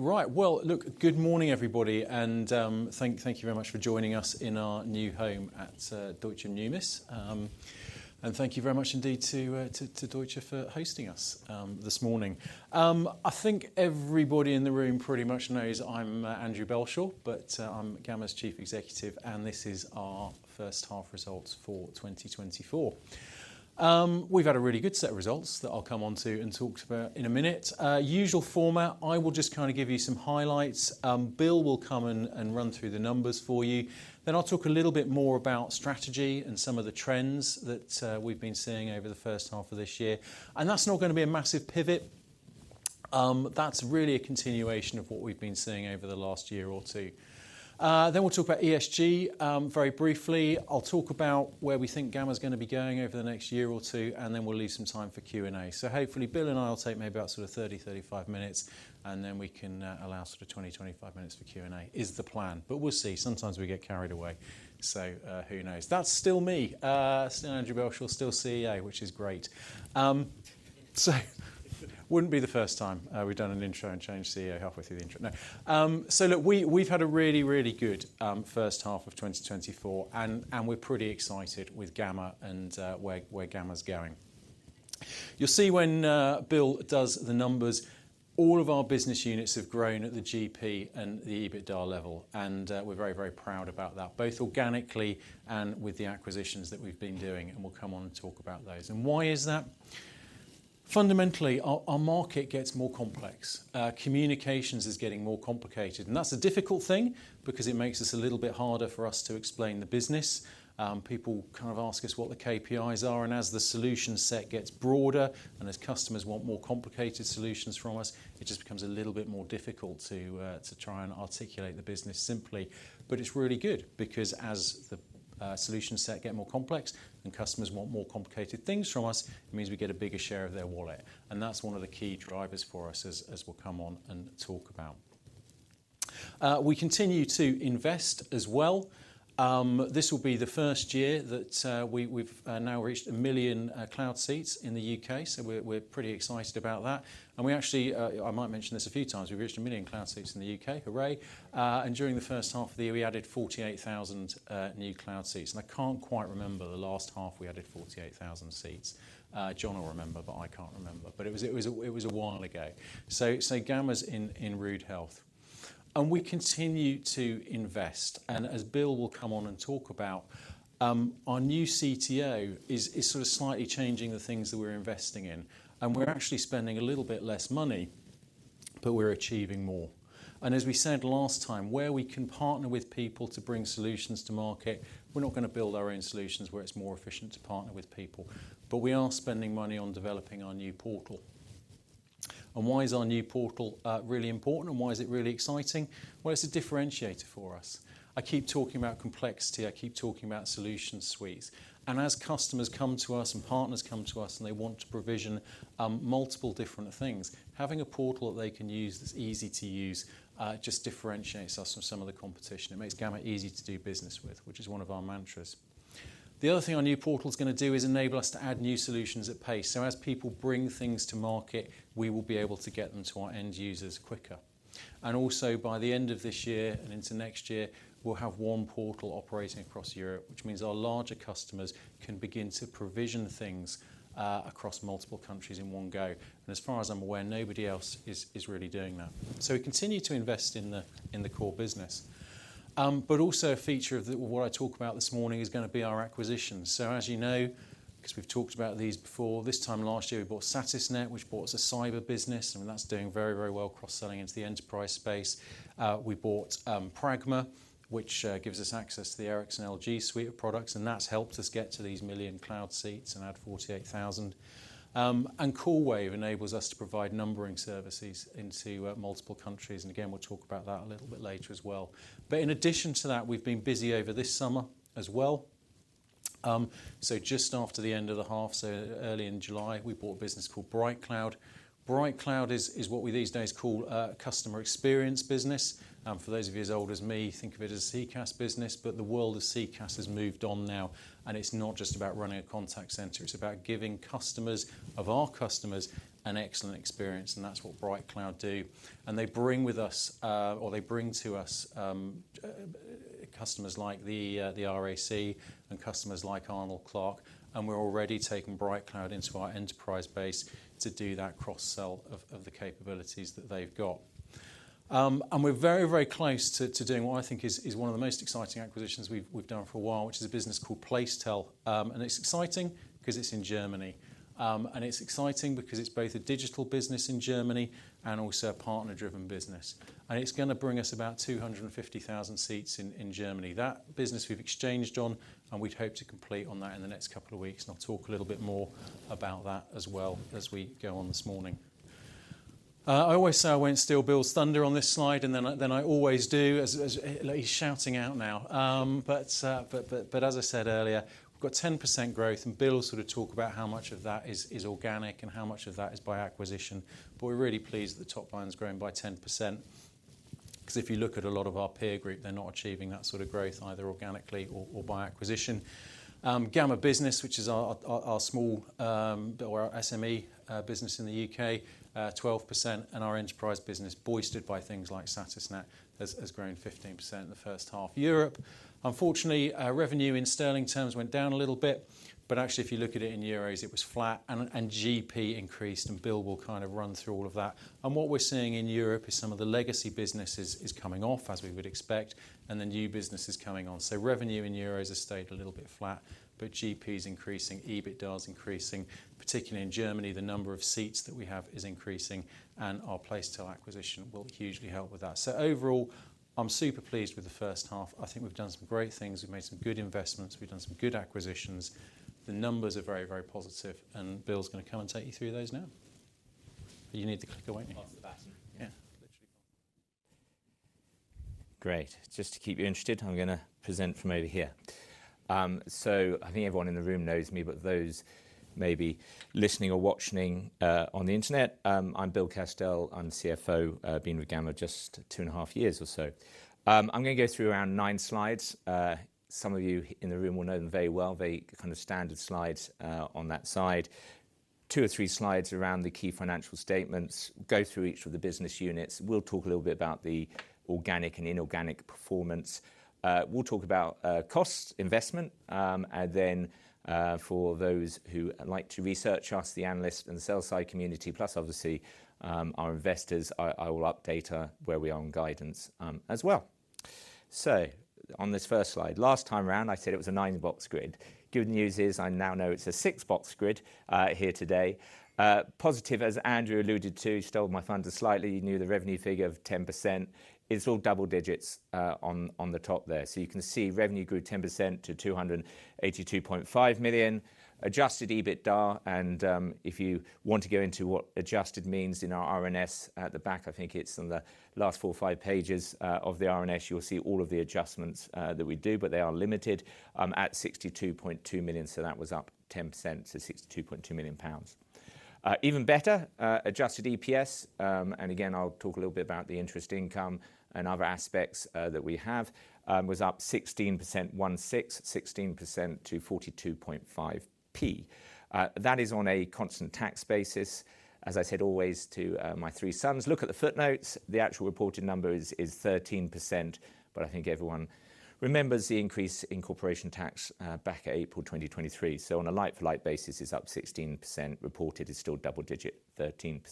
Right. Well, look, good morning, everybody, and thank you very much for joining us in our new home at Deutsche Numis. And thank you very much indeed to Deutsche for hosting us this morning. I think everybody in the room pretty much knows I'm Andrew Belshaw, but I'm Gamma's Chief Executive, and this is our first half results for 2024. We've had a really good set of results that I'll come onto and talk about in a minute. Usual format, I will just kinda give you some highlights. Bill will come and run through the numbers for you. Then I'll talk a little bit more about strategy and some of the trends that we've been seeing over the first half of this year, and that's not gonna be a massive pivot. That's really a continuation of what we've been seeing over the last year or two, then we'll talk about ESG, very briefly. I'll talk about where we think Gamma's gonna be going over the next year or two, and then we'll leave some time for Q&A, so hopefully, Bill and I will take maybe about sort of thirty, thirty-five minutes, and then we can, allow sort of twenty, twenty-five minutes for Q&A, is the plan. But we'll see. Sometimes we get carried away, so, who knows? That's still me, still Andrew Belshaw, still CEO, which is great, so wouldn't be the first time, we've done an intro and changed CEO halfway through the intro. No. So look, we've had a really, really good first half of 2024, and we're pretty excited with Gamma and where Gamma's going. You'll see when Bill does the numbers, all of our business units have grown at the GP and the EBITDA level, and we're very, very proud about that, both organically and with the acquisitions that we've been doing, and we'll come on and talk about those. Why is that? Fundamentally, our market gets more complex. Communications is getting more complicated, and that's a difficult thing because it makes this a little bit harder for us to explain the business. People kind of ask us what the KPIs are, and as the solution set gets broader, and as customers want more complicated solutions from us, it just becomes a little bit more difficult to try and articulate the business simply. But it's really good because as the solution set get more complex and customers want more complicated things from us, it means we get a bigger share of their wallet, and that's one of the key drivers for us, as we'll come on and talk about. We continue to invest as well. This will be the first year that we've now reached 1 million cloud seats in the U.K., so we're pretty excited about that, and we actually I might mention this a few times, we've reached 1 million cloud seats in the U.K. Hooray! And during the first half of the year, we added 48,000 new cloud seats, and I can't quite remember the last half we added 48,000 seats. John will remember, but I can't remember. But it was a while ago. Gamma's in rude health, and we continue to invest, and as Bill will come on and talk about, our new CTO is sort of slightly changing the things that we're investing in, and we're actually spending a little bit less money, but we're achieving more. As we said last time, where we can partner with people to bring solutions to market, we're not gonna build our own solutions where it's more efficient to partner with people. But we are spending money on developing our new portal. Why is our new portal really important, and why is it really exciting? It's a differentiator for us. I keep talking about complexity. I keep talking about solution suites, and as customers come to us and partners come to us, and they want to provision multiple different things, having a portal that they can use that's easy to use just differentiates us from some of the competition. It makes Gamma easy to do business with, which is one of our mantras. The other thing our new portal's gonna do is enable us to add new solutions at pace. As people bring things to market, we will be able to get them to our end users quicker. And also, by the end of this year and into next year, we'll have one portal operating across Europe, which means our larger customers can begin to provision things across multiple countries in one go. And as far as I'm aware, nobody else is really doing that. So we continue to invest in the core business. But also a feature of what I talk about this morning is gonna be our acquisitions. So as you know, 'cause we've talked about these before, this time last year, we bought Satisnet, which bought us a cyber business, and that's doing very, very well cross-selling into the enterprise space. We bought Pragma, which gives us access to the Ericsson-LG suite of products, and that's helped us get to these 1 million cloud seats and add 48,000. And Coolwave enables us to provide numbering services into multiple countries, and again, we'll talk about that a little bit later as well. But in addition to that, we've been busy over this summer as well. So just after the end of the half, so early in July, we bought a business called BrightCloud. BrightCloud is what we these days call a customer experience business. For those of you as old as me, think of it as CCaaS business, but the world of CCaaS has moved on now, and it's not just about running a contact center. It's about giving customers of our customers an excellent experience, and that's what BrightCloud do. And they bring to us customers like the RAC and customers like Arnold Clark, and we're already taking BrightCloud into our enterprise base to do that cross-sell of the capabilities that they've got. And we're very, very close to doing what I think is one of the most exciting acquisitions we've done for a while, which is a business called Placetel. And it's exciting because it's in Germany, and it's exciting because it's both a digital business in Germany and also a partner-driven business, and it's gonna bring us about 250,000 seats in Germany. That business we've exchanged on, and we'd hope to complete on that in the next couple of weeks, and I'll talk a little bit more about that as well as we go on this morning. I always say I won't steal Bill's thunder on this slide, and then I always do, as-- He's shouting out now. But as I said earlier, we've got 10% growth, and Bill will sort of talk about how much of that is organic and how much of that is by acquisition, but we're really pleased that the top line's grown by 10%. Because if you look at a lot of our peer group, they're not achieving that sort of growth, either organically or by acquisition. Gamma Business, which is our small or our SME business in the UK, 12%, and our enterprise business, boosted by things like Satisnet, has grown 15% in the first half. Europe, unfortunately, revenue in sterling terms went down a little bit, but actually if you look at it in euros, it was flat, and GP increased, and Bill will kind of run through all of that. And what we're seeing in Europe is some of the legacy businesses is coming off, as we would expect, and the new business is coming on. So revenue in euros has stayed a little bit flat, but GP is increasing, EBITDA is increasing. Particularly in Germany, the number of seats that we have is increasing, and our Placetel acquisition will hugely help with that. So overall, I'm super pleased with the first half. I think we've done some great things. We've made some good investments. We've done some good acquisitions. The numbers are very, very positive, and Bill's gonna come and take you through those now. But you need the clicker, won't you? Pass the baton. Yeah. Literally. Great. Just to keep you interested, I'm gonna present from over here. So I think everyone in the room knows me, but those maybe listening or watching on the internet, I'm Bill Castell. I'm CFO. I've been with Gamma just two and a half years or so. I'm gonna go through around nine slides. Some of you in the room will know them very well. They're kind of standard slides on that side. Two or three slides around the key financial statements, go through each of the business units. We'll talk a little bit about the organic and inorganic performance. We'll talk about cost, investment, and then, for those who like to research us, the analyst and the sell-side community, plus obviously our investors, I will update where we are on guidance, as well. So on this first slide, last time around, I said it was a nine-box grid. Good news is, I now know it's a six-box grid here today. Positive, as Andrew alluded to, stole my thunder slightly. He knew the revenue figure of 10%. It's all double digits on the top there. So you can see revenue grew 10% to 282.5 million. Adjusted EBITDA, and if you want to go into what adjusted means in our RNS at the back, I think it's on the last four or five pages of the RNS, you'll see all of the adjustments that we do, but they are limited at 62.2 million, so that was up 10% to 62.2 million pounds. Even better, adjusted EPS, and again, I'll talk a little bit about the interest income and other aspects that we have was up 16% to 0.425. That is on a constant tax basis. As I said, always to my three sons, look at the footnotes. The actual reported number is 13%, but I think everyone remembers the increase in corporation tax back April 2023, so on a like-for-like basis, it's up 16%. Reported is still double-digit 13%.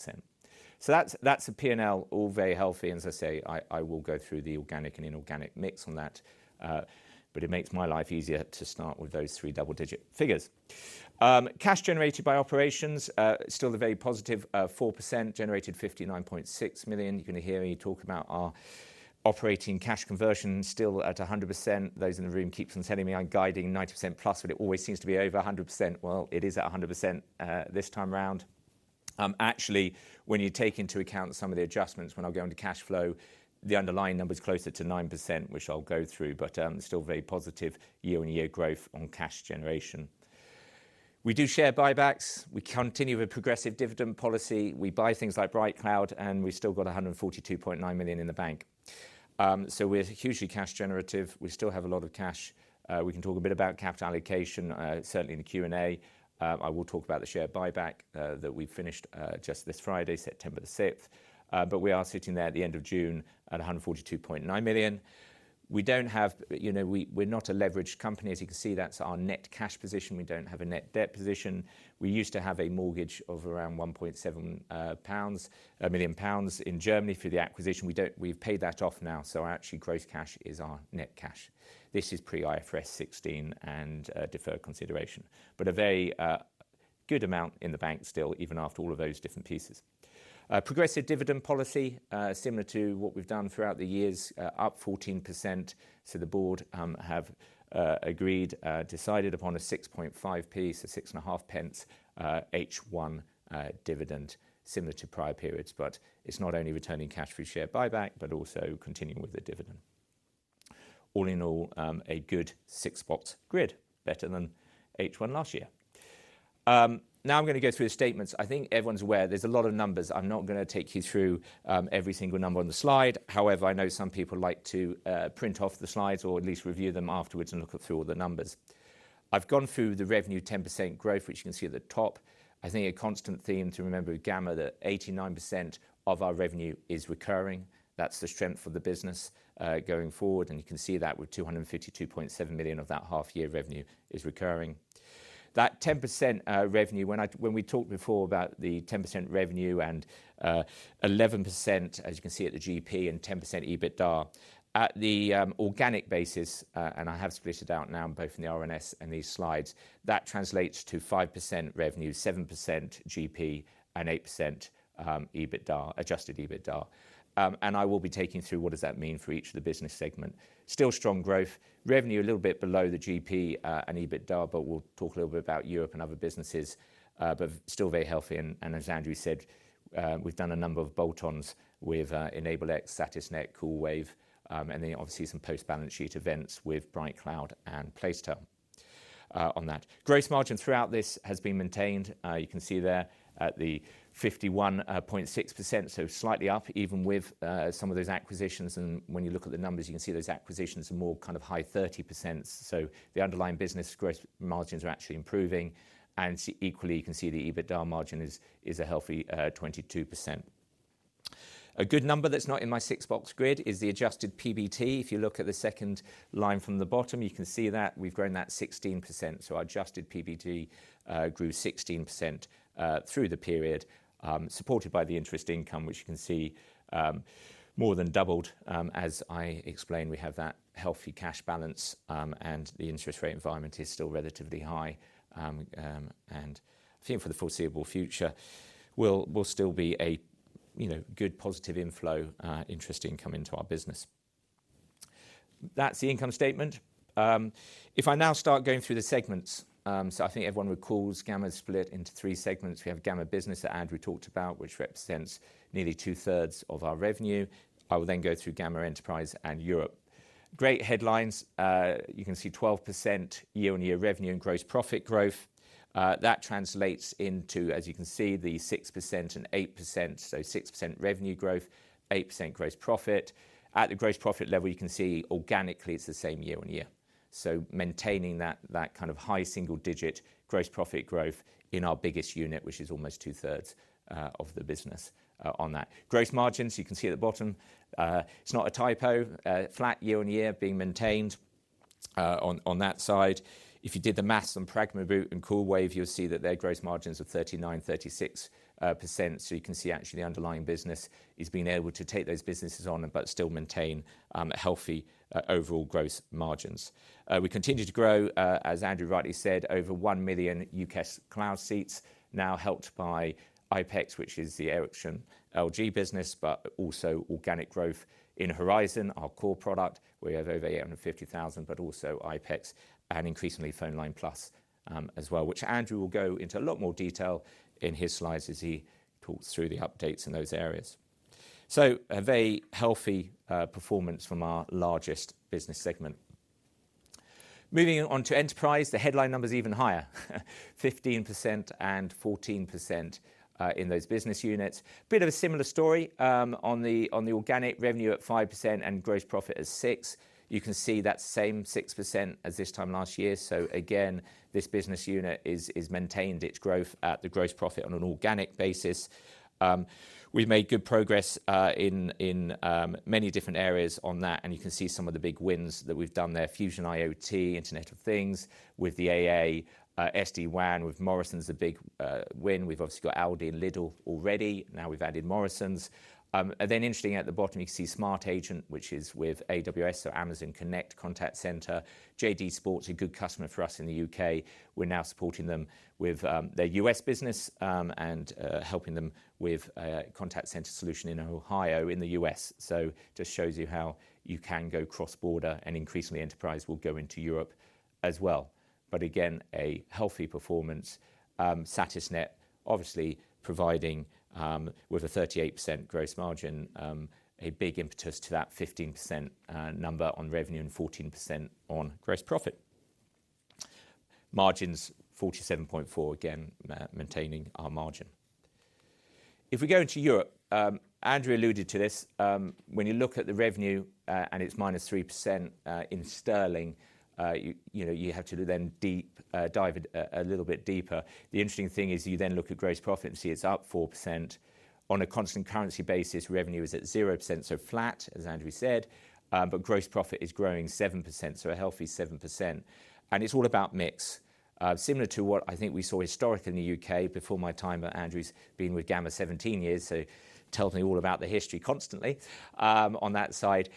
So that's the P&L, all very healthy, and as I say, I will go through the organic and inorganic mix on that, but it makes my life easier to start with those three double-digit figures. Cash generated by operations still a very +4%, generated 59.6 million. You're going to hear me talk about our operating cash conversion, still at 100%. Those in the room keeps on telling me I'm guiding 90% plus, but it always seems to be over 100%. Well, it is at 100% this time around. Actually, when you take into account some of the adjustments, when I go into cash flow, the underlying number is closer to 9%, which I'll go through, but still very positive year-on-year growth on cash generation. We do share buybacks. We continue with progressive dividend policy. We buy things like BrightCloud, and we've still got 142.9 million in the bank. So we're hugely cash generative. We still have a lot of cash. We can talk a bit about capital allocation, certainly in the Q&A. I will talk about the share buyback, that we finished, just this Friday, September 6th. But we are sitting there at the end of June at 142.9 million. You know, we, we're not a leveraged company. As you can see, that's our net cash position. We don't have a net debt position. We used to have a mortgage of around 1.7 million pounds in Germany for the acquisition. We've paid that off now, so actually, gross cash is our net cash. This is pre IFRS 16 and, deferred consideration, but a very, good amount in the bank still, even after all of those different pieces. Progressive dividend policy, similar to what we've done throughout the years, up 14%. So the board have decided upon a 6.5p, so 0.065, H1 dividend, similar to prior periods, but it's not only returning cash for share buyback, but also continuing with the dividend. All in all, a good six-box grid, better than H1 last year. Now I'm gonna go through the statements. I think everyone's aware there's a lot of numbers. I'm not gonna take you through every single number on the slide. However, I know some people like to print off the slides or at least review them afterwards and look through all the numbers. I've gone through the revenue, 10% growth, which you can see at the top. I think a constant theme to remember with Gamma, that 89% of our revenue is recurring. That's the strength of the business, going forward, and you can see that with 252.7 million of that half year revenue is recurring. That 10% revenue, when we talked before about the 10% revenue and 11%, as you can see at the GP, and 10% EBITDA, at the organic basis, and I have split it out now both in the RNS and these slides, that translates to 5% revenue, 7% GP, and 8% EBITDA, adjusted EBITDA, and I will be taking through what does that mean for each of the business segment. Still strong growth. Revenue, a little bit below the GP and EBITDA, but we'll talk a little bit about Europe and other businesses, but still very healthy. As Andrew said, we've done a number of bolt-ons with EnableX, Satisnet, Coolwave, and then obviously some post-balance sheet events with BrightCloud and Placetel on that. Gross margin throughout this has been maintained. You can see there at the 51.6%, so slightly up even with some of those acquisitions. When you look at the numbers, you can see those acquisitions are more kind of high 30s%. The underlying business gross margins are actually improving. Equally, you can see the EBITDA margin is a healthy 22%. A good number that's not in my six-box grid is the adjusted PBT. If you look at the second line from the bottom, you can see that we've grown that 16%. So our adjusted PBT grew 16% through the period, supported by the interest income, which you can see, more than doubled. As I explained, we have that healthy cash balance, and the interest rate environment is still relatively high, and I think for the foreseeable future, will still be a you know good positive inflow, interest income into our business. That's the income statement. If I now start going through the segments, so I think everyone recalls Gamma is split into three segments. We have Gamma Business that Andrew talked about, which represents nearly two-thirds of our revenue. I will then go through Gamma Enterprise and Europe. Great headlines. You can see 12% year-on-year revenue and gross profit growth. That translates into, as you can see, the 6% and 8%, so 6% revenue growth, 8% gross profit. At the gross profit level, you can see organically it's the same year on year, so maintaining that, that kind of high single-digit gross profit growth in our biggest unit, which is almost two-thirds of the business, on that. Gross margins, you can see at the bottom. It's not a typo, flat year on year being maintained, on that side. If you did the math on Pragma and Coolwave, you'll see that their gross margins are 39%, 36%, so you can see actually the underlying business is being able to take those businesses on, but still maintain healthy overall gross margins. We continue to grow, as Andrew rightly said, over one million U.K. cloud seats now helped by iPECS, which is the Ericsson-LG business, but also organic growth in Horizon, our core product, where we have over eight hundred and fifty thousand, but also iPECS and increasingly PhoneLine+, as well, which Andrew will go into a lot more detail in his slides as he talks through the updates in those areas. So a very healthy performance from our largest business segment. Moving on to Enterprise, the headline number is even higher, 15% and 14% in those business units. Bit of a similar story, on the organic revenue at 5% and gross profit at 6%. You can see that same 6% as this time last year. So again, this business unit is maintained its growth at the gross profit on an organic basis. We've made good progress in many different areas on that, and you can see some of the big wins that we've done there. Fusion IoT, Internet of Things, with the AA, SD-WAN with Morrisons, a big win. We've obviously got Aldi and Lidl already. Now we've added Morrisons. And then interestingly, at the bottom, you can see SmartAgent, which is with AWS, so Amazon Connect Contact Center. JD Sports, a good customer for us in the U.K. We're now supporting them with their US business, and helping them with a contact center solution in Ohio, in the U.S. So just shows you how you can go cross-border, and increasingly, Enterprise will go into Europe as well. But again, a healthy performance. Satisnet obviously providing with a 38% gross margin, a big impetus to that 15% number on revenue and 14% on gross profit. Margins, 47.4, again, maintaining our margin. If we go into Europe, Andrew alluded to this. When you look at the revenue and it's minus 3% in sterling, you know, you have to then dive a little bit deeper. The interesting thing is you then look at gross profit and see it's up 4%. On a constant currency basis, revenue is at 0%, so flat, as Andrew said, but gross profit is growing 7%, so a healthy 7%. And it's all about mix. Similar to what I think we saw historically in the U.K. before my time, but Andrew's been with Gamma 17 years, so he tells me all about the history constantly, on that side.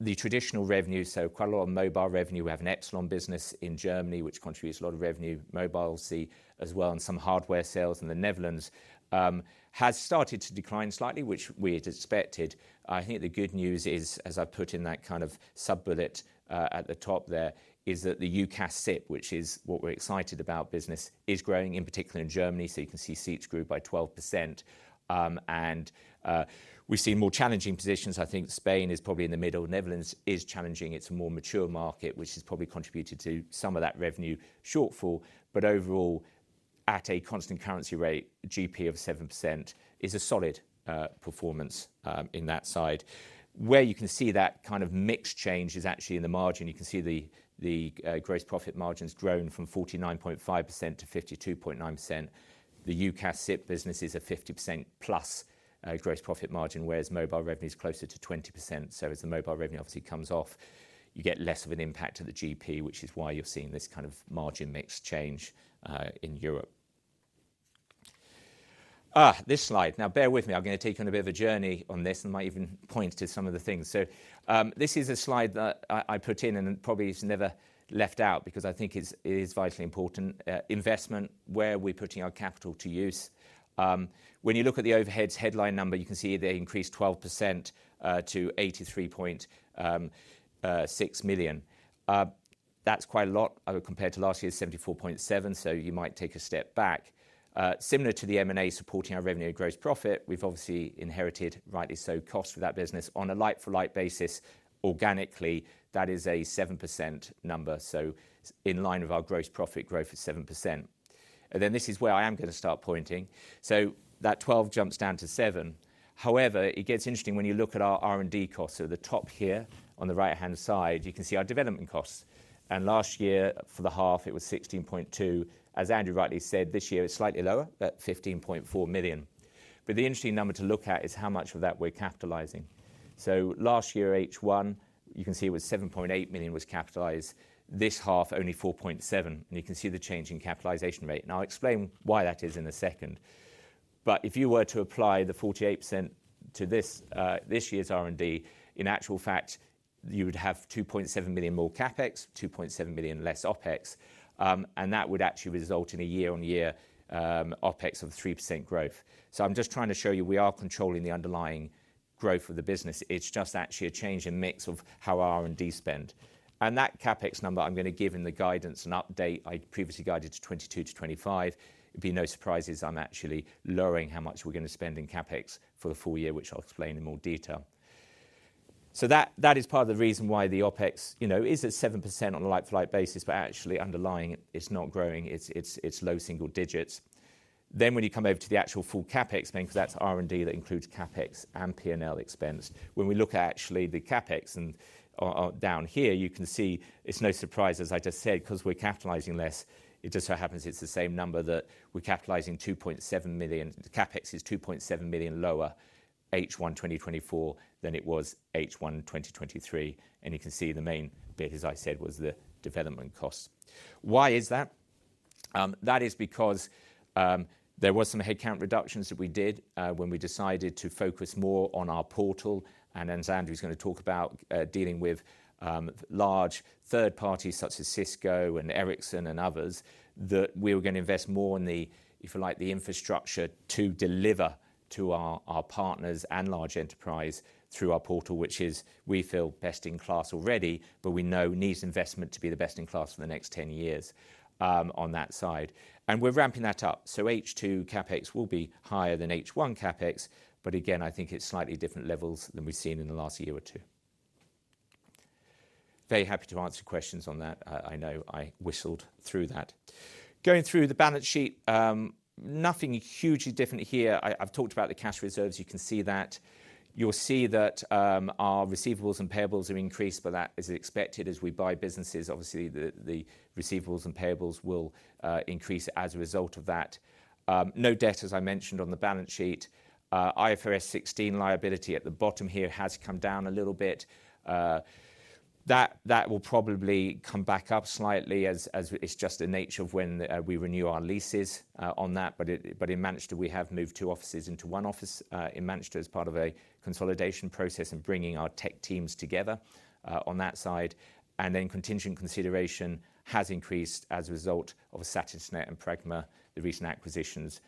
The traditional revenue, so quite a lot of mobile revenue. We have an existing business in Germany, which contributes a lot of revenue, mobile CC, as well, and some hardware sales in the Netherlands, has started to decline slightly, which we had expected. I think the good news is, as I've put in that kind of sub-bullet, at the top there, is that the UCaaS SIP, which is what we're excited about business, is growing, in particular in Germany. So you can see seats grew by 12%. And we've seen more challenging positions. I think Spain is probably in the middle. Netherlands is challenging. It's a more mature market, which has probably contributed to some of that revenue shortfall. But overall, at a constant currency rate, GP of 7% is a solid performance in that side. Where you can see that kind of mix change is actually in the margin. You can see the gross profit margin's grown from 49.5% to 52.9%. The UCaaS SIP business is a 50%+ gross profit margin, whereas mobile revenue is closer to 20%. So as the mobile revenue obviously comes off, you get less of an impact to the GP, which is why you're seeing this kind of margin mix change in Europe. This slide. Now, bear with me. I'm gonna take you on a bit of a journey on this and might even point to some of the things. This is a slide that I put in, and probably it's never left out because I think it is vitally important. Investment, where we're putting our capital to use. When you look at the overheads headline number, you can see they increased 12% to 83.6 million. That's quite a lot compared to last year's 74.7, so you might take a step back. Similar to the M&A supporting our revenue and gross profit, we've obviously inherited, rightly so, costs for that business. On a like-for-like basis, organically, that is a 7% number, so in line with our gross profit growth of 7%. Then this is where I am going to start pointing. So that 12 jumps down to seven. However, it gets interesting when you look at our R&D costs. So at the top here, on the right-hand side, you can see our development costs. And last year, for the half, it was 16.2. As Andrew rightly said, this year is slightly lower, at 15.4 million. But the interesting number to look at is how much of that we're capitalizing. So last year, H1, you can see it was 7.8 million was capitalized. This half, only 4.7, and you can see the change in capitalization rate, and I'll explain why that is in a second. But if you were to apply the 48% to this year's R&D, in actual fact, you would have 2.7 million more CapEx, 2.7 million less OpEx, and that would actually result in a year-on-year OpEx of 3% growth. So I'm just trying to show you, we are controlling the underlying growth of the business. It's just actually a change in mix of how R&D spend. And that CapEx number, I'm going to give in the guidance an update. I previously guided to 22-25. It'd be no surprises, I'm actually lowering how much we're going to spend in CapEx for the full year, which I'll explain in more detail. So that is part of the reason why the OpEx, you know, is at 7% on a like-for-like basis, but actually underlying, it's not growing. It's low single digits. Then when you come over to the actual full CapEx spend, because that's R&D, that includes CapEx and P&L expense. When we look at actually the CapEx and down here, you can see it's no surprise, as I just said, because we're capitalising less. It just so happens it's the same number that we're capitalising, 2.7 million. The CapEx is 2.7 million lower H1 2024 than it was H1 2023, and you can see the main bit, as I said, was the development cost. Why is that? That is because there were some headcount reductions that we did when we decided to focus more on our portal, and then Andrew is going to talk about dealing with large third parties such as Cisco and Ericsson and others, that we were going to invest more in the, if you like, the infrastructure to deliver to our partners and large enterprise through our portal, which is, we feel, best in class already, but we know needs investment to be the best in class for the next ten years on that side. And we're ramping that up. So H2 CapEx will be higher than H1 CapEx, but again, I think it's slightly different levels than we've seen in the last year or two. Very happy to answer questions on that. I know I whistled through that. Going through the balance sheet, nothing hugely different here. I've talked about the cash reserves, you can see that. You'll see that, our receivables and payables have increased, but that is expected as we buy businesses. Obviously, the receivables and payables will increase as a result of that. No debt, as I mentioned on the balance sheet. IFRS 16 liability at the bottom here has come down a little bit. That will probably come back up slightly as it's just the nature of when we renew our leases on that. But in Manchester, we have moved two offices into one office in Manchester as part of a consolidation process and bringing our tech teams together on that side. And then contingent consideration has increased as a result of Satisnet and Pragma, the recent acquisitions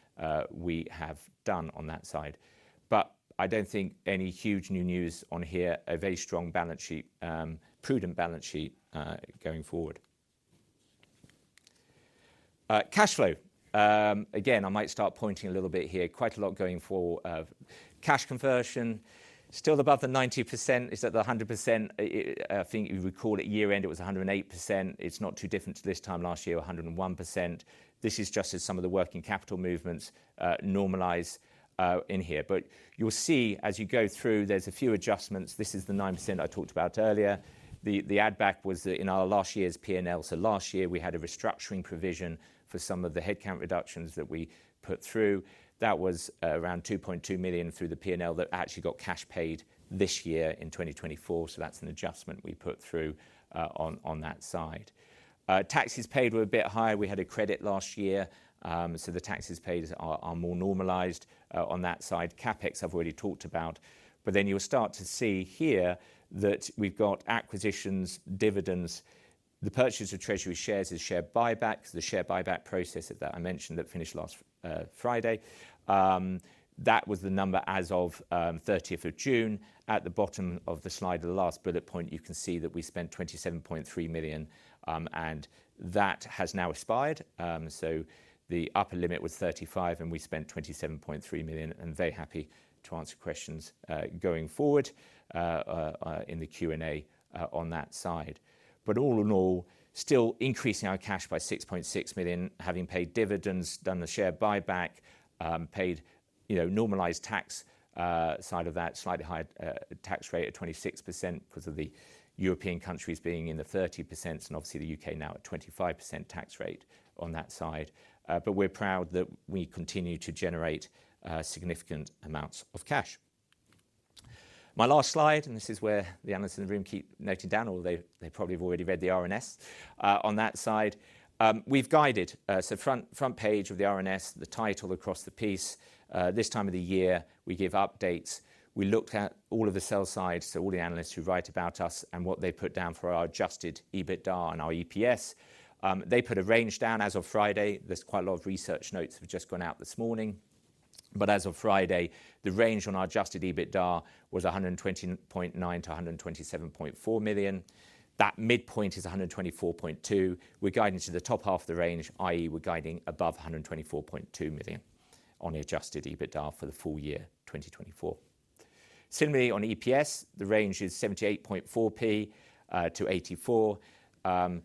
we have done on that side. But I don't think any huge new news on here. A very strong balance sheet, prudent balance sheet, going forward. Cash flow. Again, I might start pointing a little bit here. Quite a lot going forward. Cash conversion, still above the 90%. It's at the 100%. If you recall, at year-end, it was a 108%. It's not too different to this time last year, 101%. This is just as some of the working capital movements normalize in here. But you'll see as you go through, there's a few adjustments. This is the 9% I talked about earlier. The, the add back was in our last year's P&L. So last year, we had a restructuring provision for some of the headcount reductions that we put through. That was around 2.2 million through the P&L that actually got cash paid this year in 2024. So that's an adjustment we put through on that side. Taxes paid were a bit higher. We had a credit last year, so the taxes paid are more normalized on that side. CapEx, I've already talked about. But then you'll start to see here that we've got acquisitions, dividends. The purchase of treasury shares is share buybacks, the share buyback process that I mentioned that finished last Friday. That was the number as of thirtieth of June. At the bottom of the slide, the last bullet point, you can see that we spent 27.3 million, and that has now expired. So the upper limit was 35, and we spent 27.3 million, and very happy to answer questions, going forward, in the Q&A, on that side. But all in all, still increasing our cash by 6.6 million, having paid dividends, done the share buyback, paid, you know, normalized tax, side of that, slightly higher, tax rate at 26% because of the European countries being in the 30%, and obviously the U.K. now at 25% tax rate on that side. But we're proud that we continue to generate, significant amounts of cash. My last slide, and this is where the analysts in the room keep noting down, although they probably have already read the RNS. On that side, we've guided, so front page of the RNS, the title across the piece, this time of the year, we give updates. We looked at all of the sell side, so all the analysts who write about us and what they put down for our adjusted EBITDA and our EPS. They put a range down as of Friday. There's quite a lot of research notes have just gone out this morning. But as of Friday, the range on our adjusted EBITDA was 120.9 million-127.4 million. That midpoint is 124.2. We're guiding to the top half of the range, i.e., we're guiding above 124.2 million on the adjusted EBITDA for the full year 2024. Similarly, on EPS, the range is 0.784-0.84.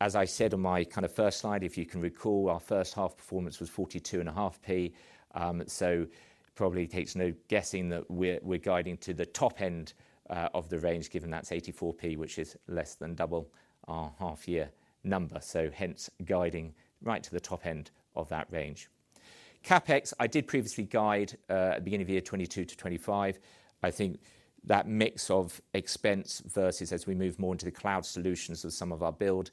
As I said on my kind of first slide, if you can recall, our first half performance was 0.425. So probably takes no guessing that we're guiding to the top end of the range, given that's 0.84, which is less than double our half-year number, so hence guiding right to the top end of that range. CapEx, I did previously guide at the beginning of the year, 2022-2025. I think that mix of expense versus as we move more into the cloud solutions of some of our build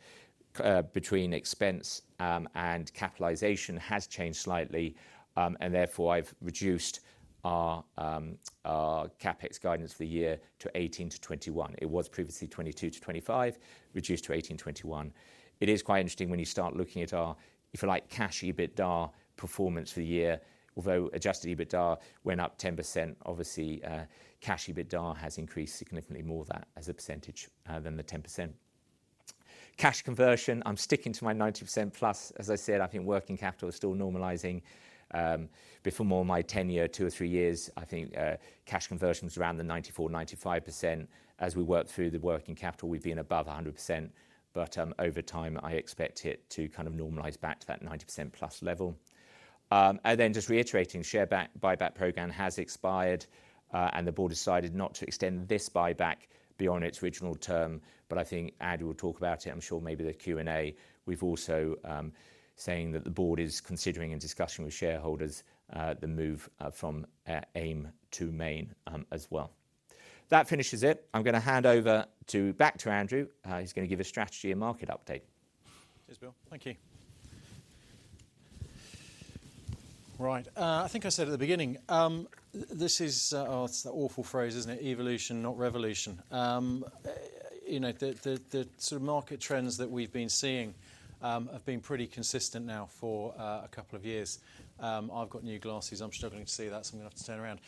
between expense and capitalization has changed slightly. And therefore, I've reduced our CapEx guidance for the year to 18-21. It was previously 22-25, reduced to 18-21. It is quite interesting when you start looking at our, if you like, cash EBITDA performance for the year. Although adjusted EBITDA went up 10%, obviously, cash EBITDA has increased significantly more than that as a percentage, than the 10%. Cash conversion, I'm sticking to my 90%+. As I said, I think working capital is still normalizing. Before more my tenure, two or three years, I think, cash conversion was around the 94%, 95%. As we work through the working capital, we've been above 100%, but, over time, I expect it to kind of normalize back to that 90%+ level. And then just reiterating, share buyback program has expired, and the board decided not to extend this buyback beyond its original term, but I think Andrew will talk about it. I'm sure maybe the Q&A. We've also saying that the board is considering, in discussion with shareholders, the move from AIM to Main as well. That finishes it. I'm gonna hand over back to Andrew. He's gonna give a strategy and market update. Cheers, Bill. Thank you. Right, I think I said at the beginning, this is, oh, it's an awful phrase, isn't it? Evolution, not revolution. You know, the sort of market trends that we've been seeing have been pretty consistent now for a couple of years. I've got new glasses. I'm struggling to see that, so I'm gonna have to turn around.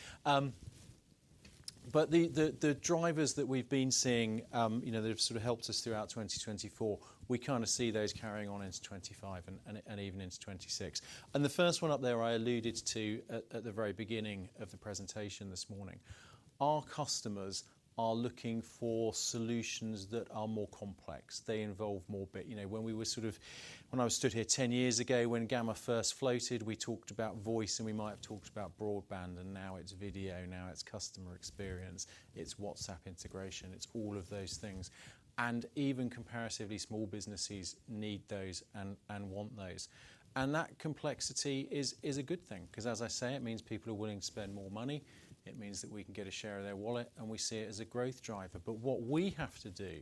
But the drivers that we've been seeing, you know, that have sort of helped us throughout 2024, we kinda see those carrying on into 2025 and even into 2026. And the first one up there, I alluded to at the very beginning of the presentation this morning. Our customers are looking for solutions that are more complex. They involve more bit. You know, when I was stood here ten years ago, when Gamma first floated, we talked about voice, and we might have talked about broadband, and now it's video, now it's customer experience, it's WhatsApp integration, it's all of those things. And even comparatively small businesses need those and want those. And that complexity is a good thing, 'cause as I say, it means people are willing to spend more money. It means that we can get a share of their wallet, and we see it as a growth driver. But what we have to do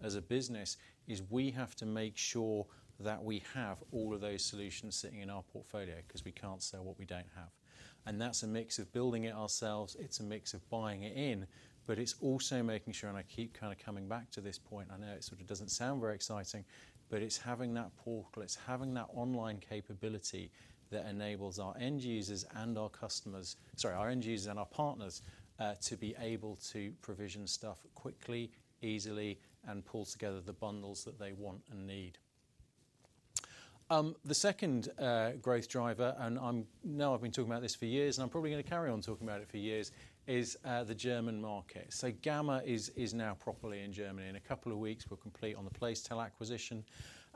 as a business is we have to make sure that we have all of those solutions sitting in our portfolio because we can't sell what we don't have, and that's a mix of building it ourselves, it's a mix of buying it in, but it's also making sure, and I keep kinda coming back to this point, I know it sort of doesn't sound very exciting, but it's having that portal, it's having that online capability that enables our end users and our customers, sorry, our end users and our partners, to be able to provision stuff quickly, easily, and pull together the bundles that they want and need. The second growth driver, now I've been talking about this for years, and I'm probably gonna carry on talking about it for years, is the German market. Gamma is now properly in Germany. In a couple of weeks, we'll complete on the Placetel acquisition.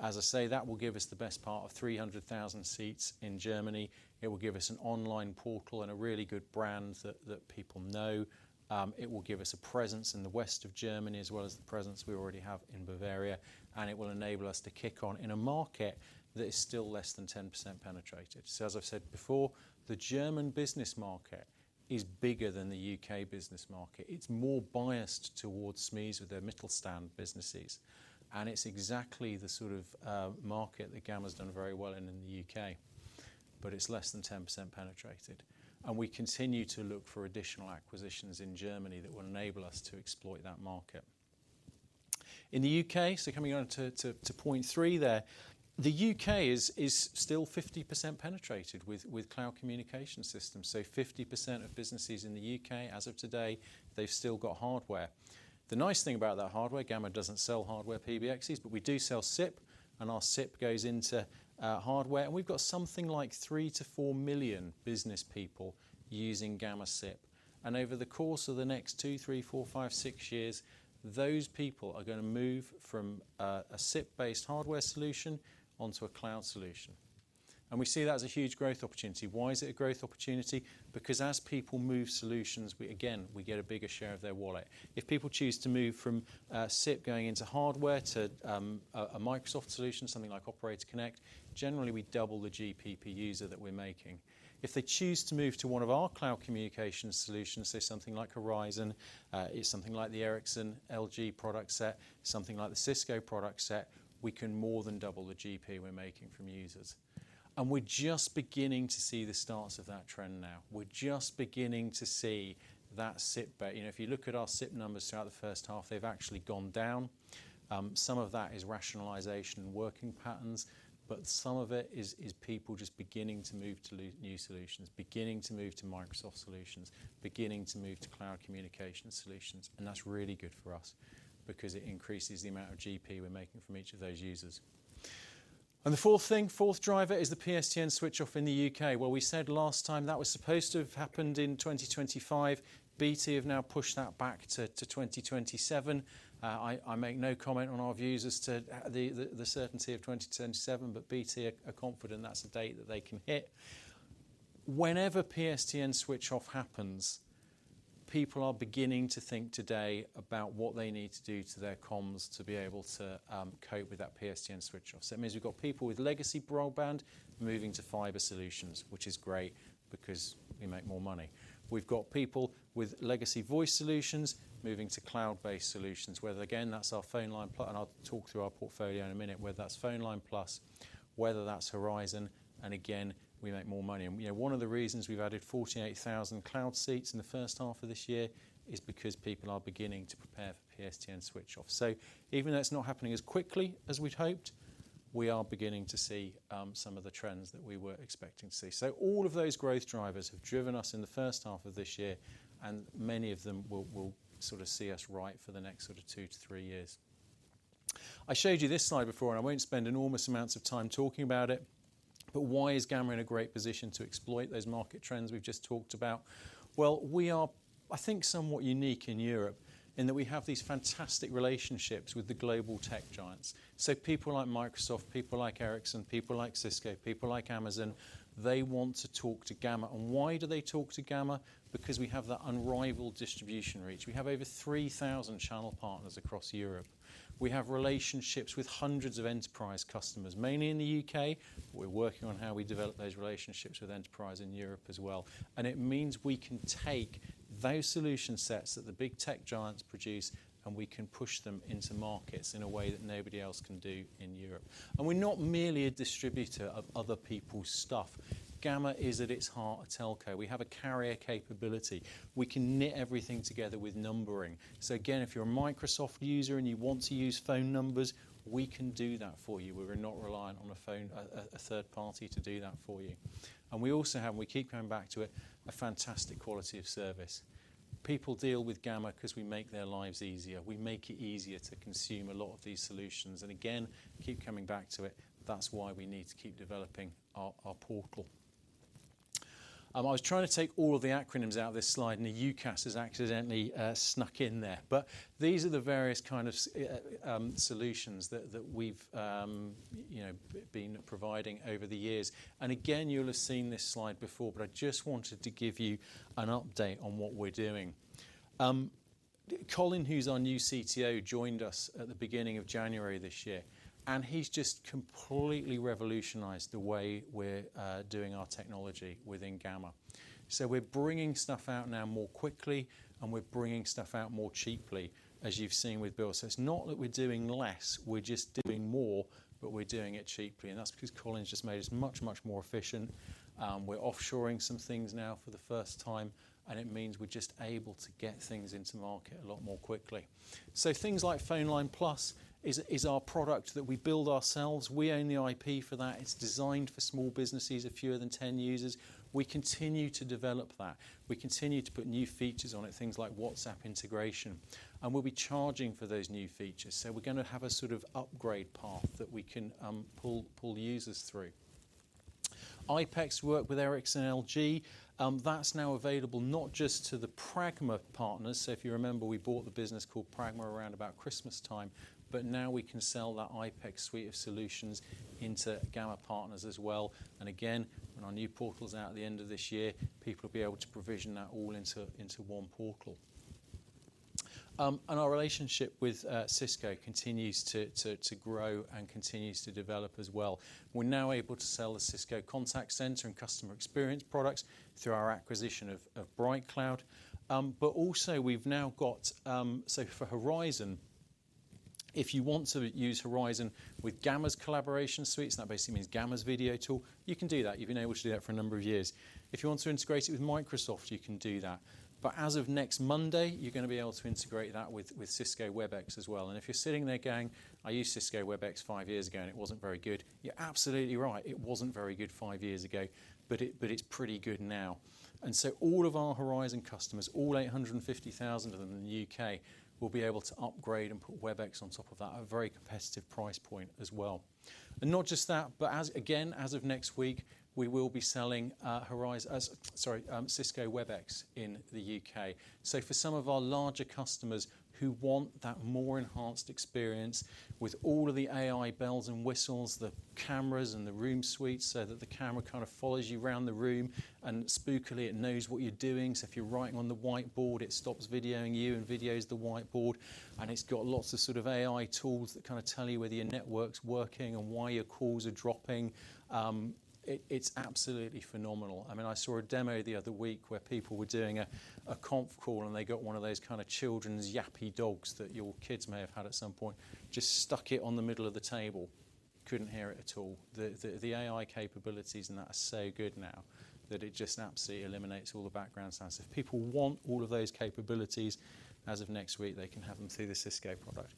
As I say, that will give us the best part of 300,000 seats in Germany. It will give us an online portal and a really good brand that people know. It will give us a presence in the west of Germany, as well as the presence we already have in Bavaria, and it will enable us to kick on in a market that is still less than 10% penetrated. As I've said before, the German business market is bigger than the U.K. business market. It's more biased towards SMEs or the Mittelstand businesses, and it's exactly the sort of market that Gamma's done very well in the U.K., but it's less than 10% penetrated, and we continue to look for additional acquisitions in Germany that will enable us to exploit that market. In the U.K., so coming on to point three there, the U.K. is still 50% penetrated with cloud communication systems. So 50% of businesses in the U.K., as of today, they've still got hardware. The nice thing about that hardware, Gamma doesn't sell hardware PBXes, but we do sell SIP, and our SIP goes into hardware. And we've got something like 3 million-4 million business people using Gamma SIP. And over the course of the next two, three, four, five, six years, those people are gonna move from a SIP-based hardware solution onto a cloud solution. And we see that as a huge growth opportunity. Why is it a growth opportunity? Because as people move solutions, we, again, we get a bigger share of their wallet. If people choose to move from SIP, going into hardware, to a Microsoft solution, something like Operator Connect, generally, we double the GPP user that we're making. If they choose to move to one of our cloud communication solutions, say something like Horizon, it's something like the Ericsson-LG product set, something like the Cisco product set, we can more than double the GP we're making from users. And we're just beginning to see the starts of that trend now. We're just beginning to see that SIP, but, you know, if you look at our SIP numbers throughout the first half, they've actually gone down. Some of that is rationalization and working patterns, but some of it is people just beginning to move to new solutions, beginning to move to Microsoft solutions, beginning to move to cloud communication solutions, and that's really good for us because it increases the amount of GP we're making from each of those users. And the fourth thing, fourth driver, is the PSTN switch off in the U.K. Well, we said last time that was supposed to have happened in 2025. BT have now pushed that back to 2027. I make no comment on our views as to the certainty of 2027, but BT are confident that's a date that they can hit. Whenever PSTN switch off happens, people are beginning to think today about what they need to do to their comms to be able to cope with that PSTN switch off. So it means we've got people with legacy broadband moving to fiber solutions, which is great because we make more money. We've got people with legacy voice solutions moving to cloud-based solutions, whether, again, that's our phone line pl- and I'll talk through our portfolio in a minute, whether that's PhoneLine+, whether that's Horizon, and again, we make more money. You know, one of the reasons we've added 48,000 cloud seats in the first half of this year is because people are beginning to prepare for PSTN switch off. So even though it's not happening as quickly as we'd hoped, we are beginning to see some of the trends that we were expecting to see. So all of those growth drivers have driven us in the first half of this year, and many of them will sort of see us right for the next sort of two to three years. I showed you this slide before, and I won't spend enormous amounts of time talking about it, but why is Gamma in a great position to exploit those market trends we've just talked about? We are, I think, somewhat unique in Europe in that we have these fantastic relationships with the global tech giants. So people like Microsoft, people like Ericsson, people like Cisco, people like Amazon, they want to talk to Gamma. And why do they talk to Gamma? Because we have that unrivaled distribution reach. We have over three thousand channel partners across Europe. We have relationships with hundreds of enterprise customers, mainly in the U.K. We're working on how we develop those relationships with enterprise in Europe as well. And it means we can take those solution sets that the big tech giants produce, and we can push them into markets in a way that nobody else can do in Europe. And we're not merely a distributor of other people's stuff. Gamma is, at its heart, a telco. We have a carrier capability. We can knit everything together with numbering. So again, if you're a Microsoft user and you want to use phone numbers, we can do that for you. We're not reliant on a phone, a third party to do that for you, and we also have and we keep coming back to it, a fantastic quality of service. People deal with Gamma because we make their lives easier. We make it easier to consume a lot of these solutions, and again, keep coming back to it. That's why we need to keep developing our portal. I was trying to take all of the acronyms out of this slide, and the UCaaS has accidentally snuck in there, but these are the various kind of solutions that we've you know been providing over the years, and again, you'll have seen this slide before, but I just wanted to give you an update on what we're doing. Colin, who's our new CTO, joined us at the beginning of January this year, and he's just completely revolutionized the way we're doing our technology within Gamma, so we're bringing stuff out now more quickly, and we're bringing stuff out more cheaply, as you've seen with Bill, so it's not that we're doing less, we're just doing more, but we're doing it cheaply, and that's because Colin's just made us much, much more efficient. We're offshoring some things now for the first time, and it means we're just able to get things into market a lot more quickly. Things like PhoneLine+ is our product that we build ourselves. We own the IP for that. It's designed for small businesses of fewer than 10 users. We continue to develop that. We continue to put new features on it, things like WhatsApp integration, and we'll be charging for those new features. So we're gonna have a sort of upgrade path that we can pull users through. iPECS work with Ericsson and LG. That's now available not just to the Pragma partners, so if you remember, we bought the business called Pragma around about Christmas time, but now we can sell that iPECS suite of solutions into Gamma partners as well. And again, when our new portal is out at the end of this year, people will be able to provision that all into one portal. And our relationship with Cisco continues to grow and continues to develop as well. We're now able to sell the Cisco Contact Center and Customer Experience products through our acquisition of BrightCloud. But also we've now got so for Horizon, if you want to use Horizon with Gamma's collaboration suites, and that basically means Gamma's video tool, you can do that. You've been able to do that for a number of years. If you want to integrate it with Microsoft, you can do that. But as of next Monday, you're gonna be able to integrate that with Cisco Webex as well. And if you're sitting there going, "I used Cisco Webex five years ago, and it wasn't very good," you're absolutely right, it wasn't very good five years ago, but it's pretty good now. And so all of our Horizon customers, all 850,000 of them in the U.K., will be able to upgrade and put Webex on top of that at a very competitive price point as well. And not just that, but as, again, as of next week, we will be selling Horizon, Cisco Webex in the U.K. So for some of our larger customers who want that more enhanced experience with all of the A.I. bells and whistles, the cameras and the room suites, so that the camera kind of follows you around the room, and spookily it knows what you're doing. So if you're writing on the whiteboard, it stops videoing you and videos the whiteboard, and it's got lots of sort of A.I. tools that kinda tell you whether your network's working and why your calls are dropping. It's absolutely phenomenal. I mean, I saw a demo the other week where people were doing a conf call, and they got one of those kind of children's yappy dogs that your kids may have had at some point, just stuck it on the middle of the table. Couldn't hear it at all. The AI capabilities in that are so good now that it just absolutely eliminates all the background sounds. If people want all of those capabilities, as of next week, they can have them through the Cisco product,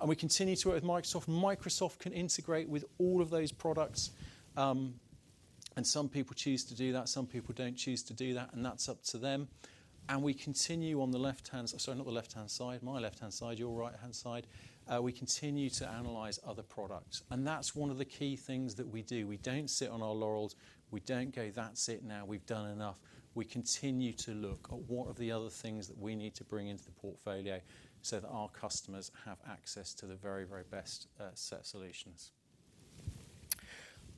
and we continue to work with Microsoft. Microsoft can integrate with all of those products, and some people choose to do that, some people don't choose to do that, and that's up to them. We continue on the left-hand side, sorry, not the left-hand side, my left-hand side, your right-hand side, we continue to analyze other products, and that's one of the key things that we do. We don't sit on our laurels. We don't go, "That's it, now, we've done enough." We continue to look at what are the other things that we need to bring into the portfolio so that our customers have access to the very, very best set solutions.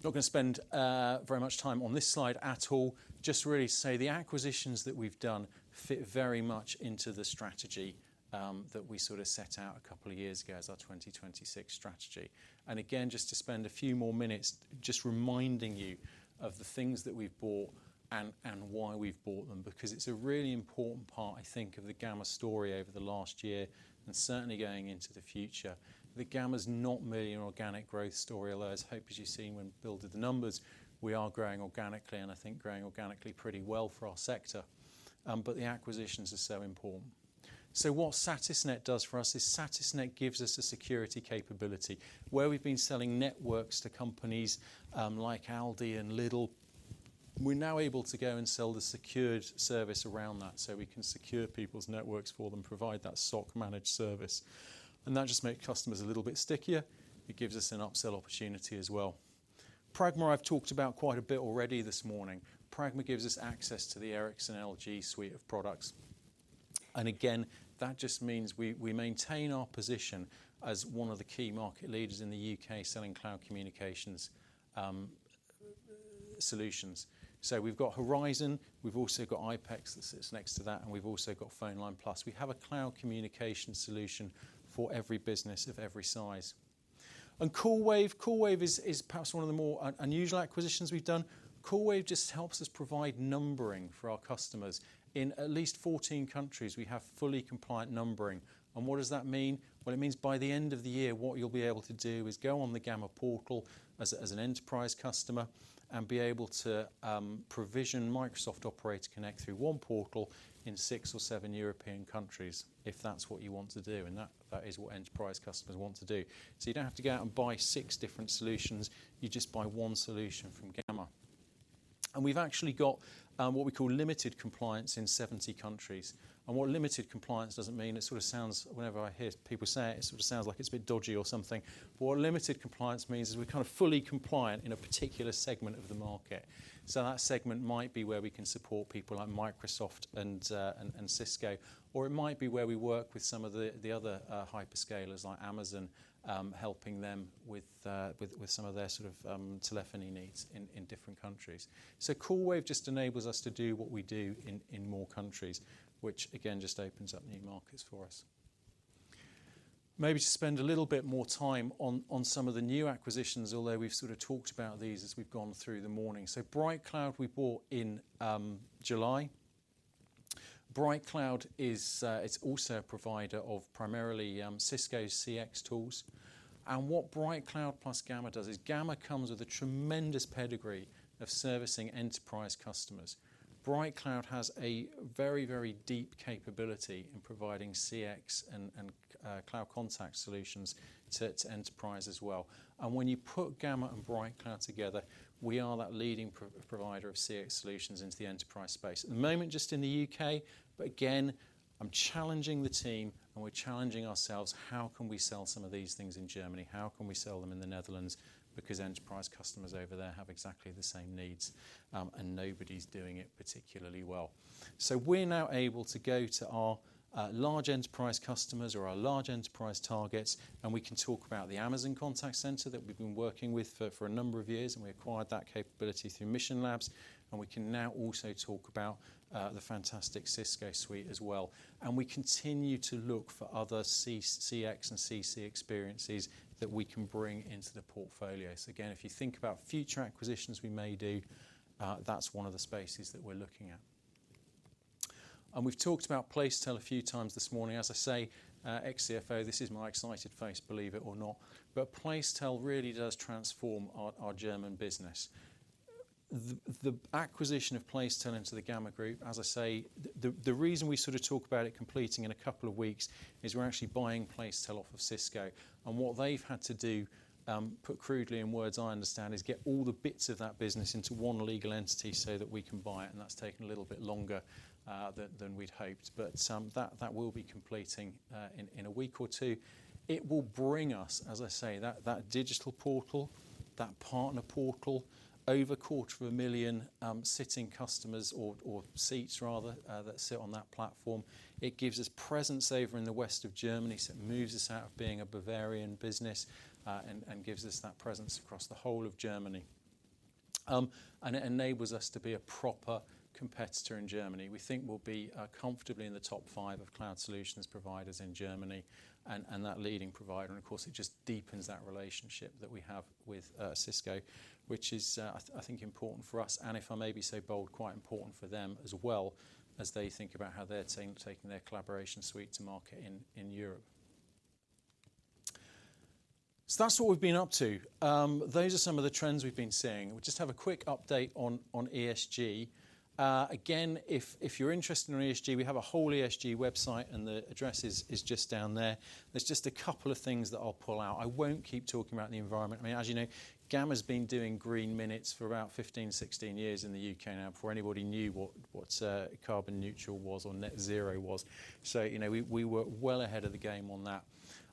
Not gonna spend very much time on this slide at all. Just really say the acquisitions that we've done fit very much into the strategy that we sorta set out a couple of years ago as our twenty twenty-six strategy. Again, just to spend a few more minutes just reminding you of the things that we've bought and why we've bought them, because it's a really important part, I think, of the Gamma story over the last year, and certainly going into the future, that Gamma's not merely an organic growth story, although I hope, as you've seen when Bill did the numbers, we are growing organically and I think growing organically pretty well for our sector, but the acquisitions are so important. What Satisnet does for us is Satisnet gives us a security capability. Where we've been selling networks to companies, like Aldi and Lidl, we're now able to go and sell the secured service around that, so we can secure people's networks for them, provide that SOC managed service, and that just make customers a little bit stickier. It gives us an upsell opportunity as well. Pragma, I've talked about quite a bit already this morning. Pragma gives us access to the Ericsson-LG suite of products, and again, that just means we maintain our position as one of the key market leaders in the UK selling cloud communications solutions. We've got Horizon, we've also got iPECS that sits next to that, and we've also got PhoneLine+. We have a cloud communication solution for every business of every size. Coolwave is perhaps one of the more unusual acquisitions we've done. Coolwave just helps us provide numbering for our customers. In at least 14 countries, we have fully compliant numbering. What does that mean? It means by the end of the year, what you'll be able to do is go on the Gamma portal as an enterprise customer and be able to provision Microsoft Operator Connect through one portal in six or seven European countries, if that's what you want to do, and that is what enterprise customers want to do. So you don't have to go out and buy six different solutions. You just buy one solution from Gamma. We've actually got what we call limited compliance in 70 countries. What limited compliance doesn't mean, it sorta sounds whenever I hear people say it, it sort of sounds like it's a bit dodgy or something, but what limited compliance means is we're kind of fully compliant in a particular segment of the market. So that segment might be where we can support people like Microsoft and Cisco, or it might be where we work with some of the other hyperscalers, like Amazon, helping them with some of their sort of telephony needs in different countries. So Coolwave just enables us to do what we do in more countries, which again just opens up new markets for us. Maybe to spend a little bit more time on some of the new acquisitions, although we've sort of talked about these as we've gone through the morning. So BrightCloud we bought in July. BrightCloud is, it's also a provider of primarily Cisco's CX tools. And what BrightCloud plus Gamma does is Gamma comes with a tremendous pedigree of servicing enterprise customers. BrightCloud has a very, very deep capability in providing CX and cloud contact solutions to enterprise as well. And when you put Gamma and BrightCloud together, we are that leading provider of CX solutions into the enterprise space. At the moment, just in the UK, but again, I'm challenging the team, and we're challenging ourselves: How can we sell some of these things in Germany? How can we sell them in the Netherlands? Because enterprise customers over there have exactly the same needs, and nobody's doing it particularly well. So we're now able to go to our large enterprise customers or our large enterprise targets, and we can talk about the Amazon Connect that we've been working with for a number of years, and we acquired that capability through Mission Labs, and we can now also talk about the fantastic Cisco suite as well. And we continue to look for other CX and CCaaS experiences that we can bring into the portfolio. So again, if you think about future acquisitions we may do, that's one of the spaces that we're looking at. And we've talked about Placetel a few times this morning. As I say, ex-CFO, this is my excited face, believe it or not, but Placetel really does transform our German business. The acquisition of Placetel into the Gamma Group, as I say, the reason we sort of talk about it completing in a couple of weeks is we're actually buying Placetel off of Cisco, and what they've had to do, put crudely in words I understand, is get all the bits of that business into one legal entity so that we can buy it, and that's taken a little bit longer than we'd hoped, but that will be completing in a week or two. It will bring us, as I say, that digital portal, that partner portal, over 250,000 sitting customers or seats, rather, that sit on that platform. It gives us presence over in the west of Germany, so it moves us out of being a Bavarian business, and gives us that presence across the whole of Germany, and it enables us to be a proper competitor in Germany. We think we'll be comfortably in the top five of cloud solutions providers in Germany and that leading provider, and of course, it just deepens that relationship that we have with Cisco, which is, I think, important for us, and if I may be so bold, quite important for them as well as they think about how they're taking their collaboration suite to market in Europe, so that's what we've been up to. Those are some of the trends we've been seeing. We just have a quick update on ESG. Again, if you're interested in ESG, we have a whole ESG website, and the address is just down there. There's just a couple of things that I'll pull out. I won't keep talking about the environment. I mean, as you know, Gamma's been doing green minutes for about 15, 16 years in the U.K. now, before anybody knew what carbon neutral was or Net Zero was. So, you know, we were well ahead of the game on that.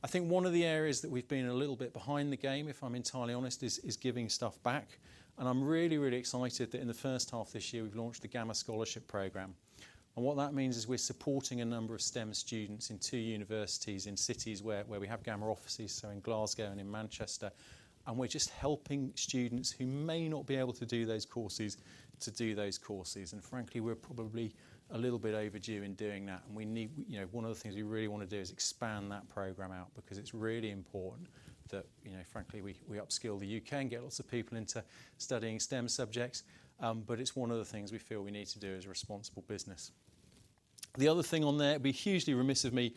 I think one of the areas that we've been a little bit behind the game, if I'm entirely honest, is giving stuff back, and I'm really, really excited that in the first half of this year, we've launched the Gamma Scholarship Program. And what that means is we're supporting a number of STEM students in two universities in cities where we have Gamma offices, so in Glasgow and in Manchester, and we're just helping students who may not be able to do those courses to do those courses. And frankly, we're probably a little bit overdue in doing that, and we need you know, one of the things we really wanna do is expand that program out because it's really important that, you know, frankly, we upskill the UK and get lots of people into studying STEM subjects. But it's one of the things we feel we need to do as a responsible business. The other thing on there, it'd be hugely remiss of me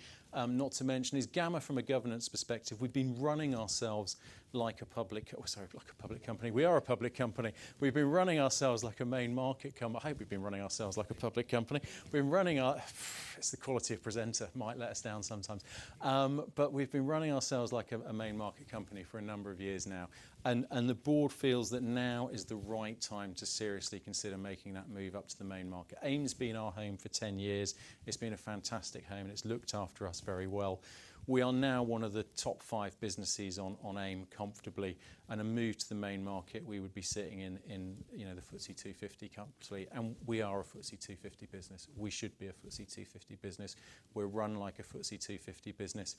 not to mention, is Gamma from a governance perspective, we've been running ourselves like a public company. We are a public company. I hope we've been running ourselves like a public company. It's the quality of the presenter that might let us down sometimes. But we've been running ourselves like a Main Market company for a number of years now, and the board feels that now is the right time to seriously consider making that move up to the Main Market. AIM's been our home for 10 years. It's been a fantastic home, and it's looked after us very well. We are now one of the top 5 businesses on AIM comfortably, and a move to the Main Market, we would be sitting in the FTSE 250 comfortably, you know, and we are a FTSE 250 business. We should be a FTSE 250 business. We're run like a FTSE 250 business.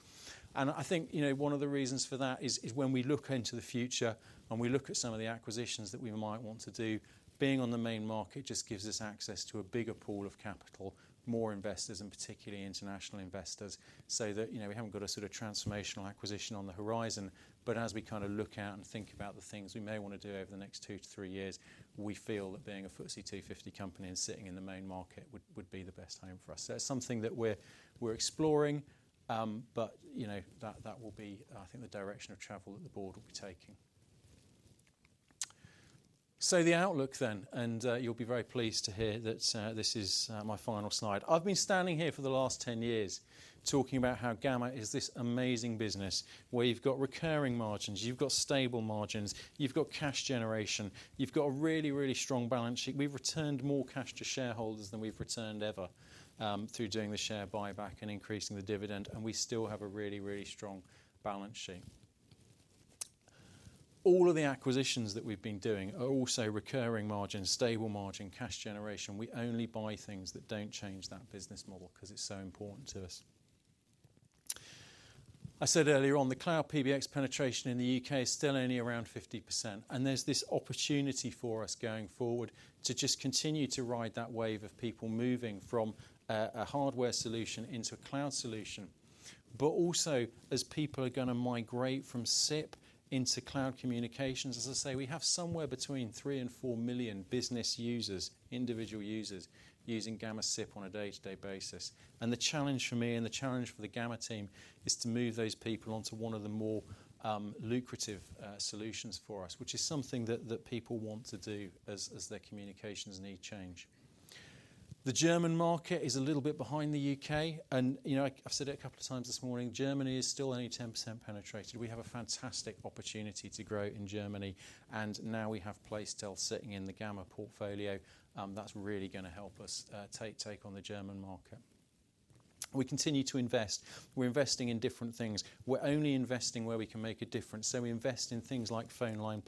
And I think, you know, one of the reasons for that is when we look into the future and we look at some of the acquisitions that we might want to do, being on the Main Market just gives us access to a bigger pool of capital, more investors, and particularly international investors. So that, you know, we haven't got a sort of transformational acquisition on the horizon, but as we kinda look out and think about the things we may wanna do over the next two to three years, we feel that being a FTSE 250 company and sitting in the Main Market would be the best home for us. So it's something that we're exploring, but you know, that will be, I think, the direction of travel that the board will be taking. So the outlook then, and, you'll be very pleased to hear that, this is my final slide. I've been standing here for the last 10 years talking about how Gamma is this amazing business, where you've got recurring margins, you've got stable margins, you've got cash generation, you've got a really, really strong balance sheet. We've returned more cash to shareholders than we've returned ever, through doing the share buyback and increasing the dividend, and we still have a really, really strong balance sheet. All of the acquisitions that we've been doing are also recurring margin, stable margin, cash generation. We only buy things that don't change that business model 'cause it's so important to us. I said earlier on, the cloud PBX penetration in the U.K. is still only around 50%, and there's this opportunity for us going forward to just continue to ride that wave of people moving from a hardware solution into a cloud solution. But also, as people are gonna migrate from SIP into cloud communications, as I say, we have somewhere between three and four million business users, individual users, using Gamma SIP on a day-to-day basis. And the challenge for me and the challenge for the Gamma team is to move those people onto one of the more lucrative solutions for us, which is something that people want to do as their communications need change. The German market is a little bit behind the U.K., and, you know, I, I've said it a couple of times this morning, Germany is still only 10% penetrated. We have a fantastic opportunity to grow in Germany, and now we have Placetel sitting in the Gamma portfolio. That's really gonna help us take on the German market. We continue to invest. We're investing in different things. We're only investing where we can make a difference, so we invest in things like PhoneLine+,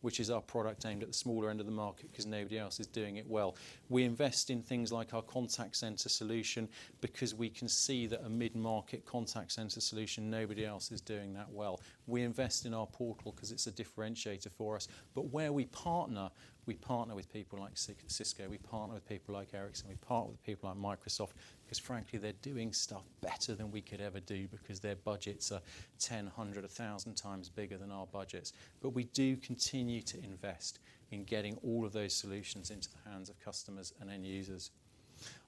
which is our product aimed at the smaller end of the market 'cause nobody else is doing it well. We invest in things like our contact center solution because we can see that a mid-market contact center solution, nobody else is doing that well. We invest in our portal 'cause it's a differentiator for us. But where we partner, we partner with people like Cisco, we partner with people like Ericsson, we partner with people like Microsoft, 'cause frankly, they're doing stuff better than we could ever do because their budgets are ten, hundred, a thousand times bigger than our budgets. But we do continue to invest in getting all of those solutions into the hands of customers and end users.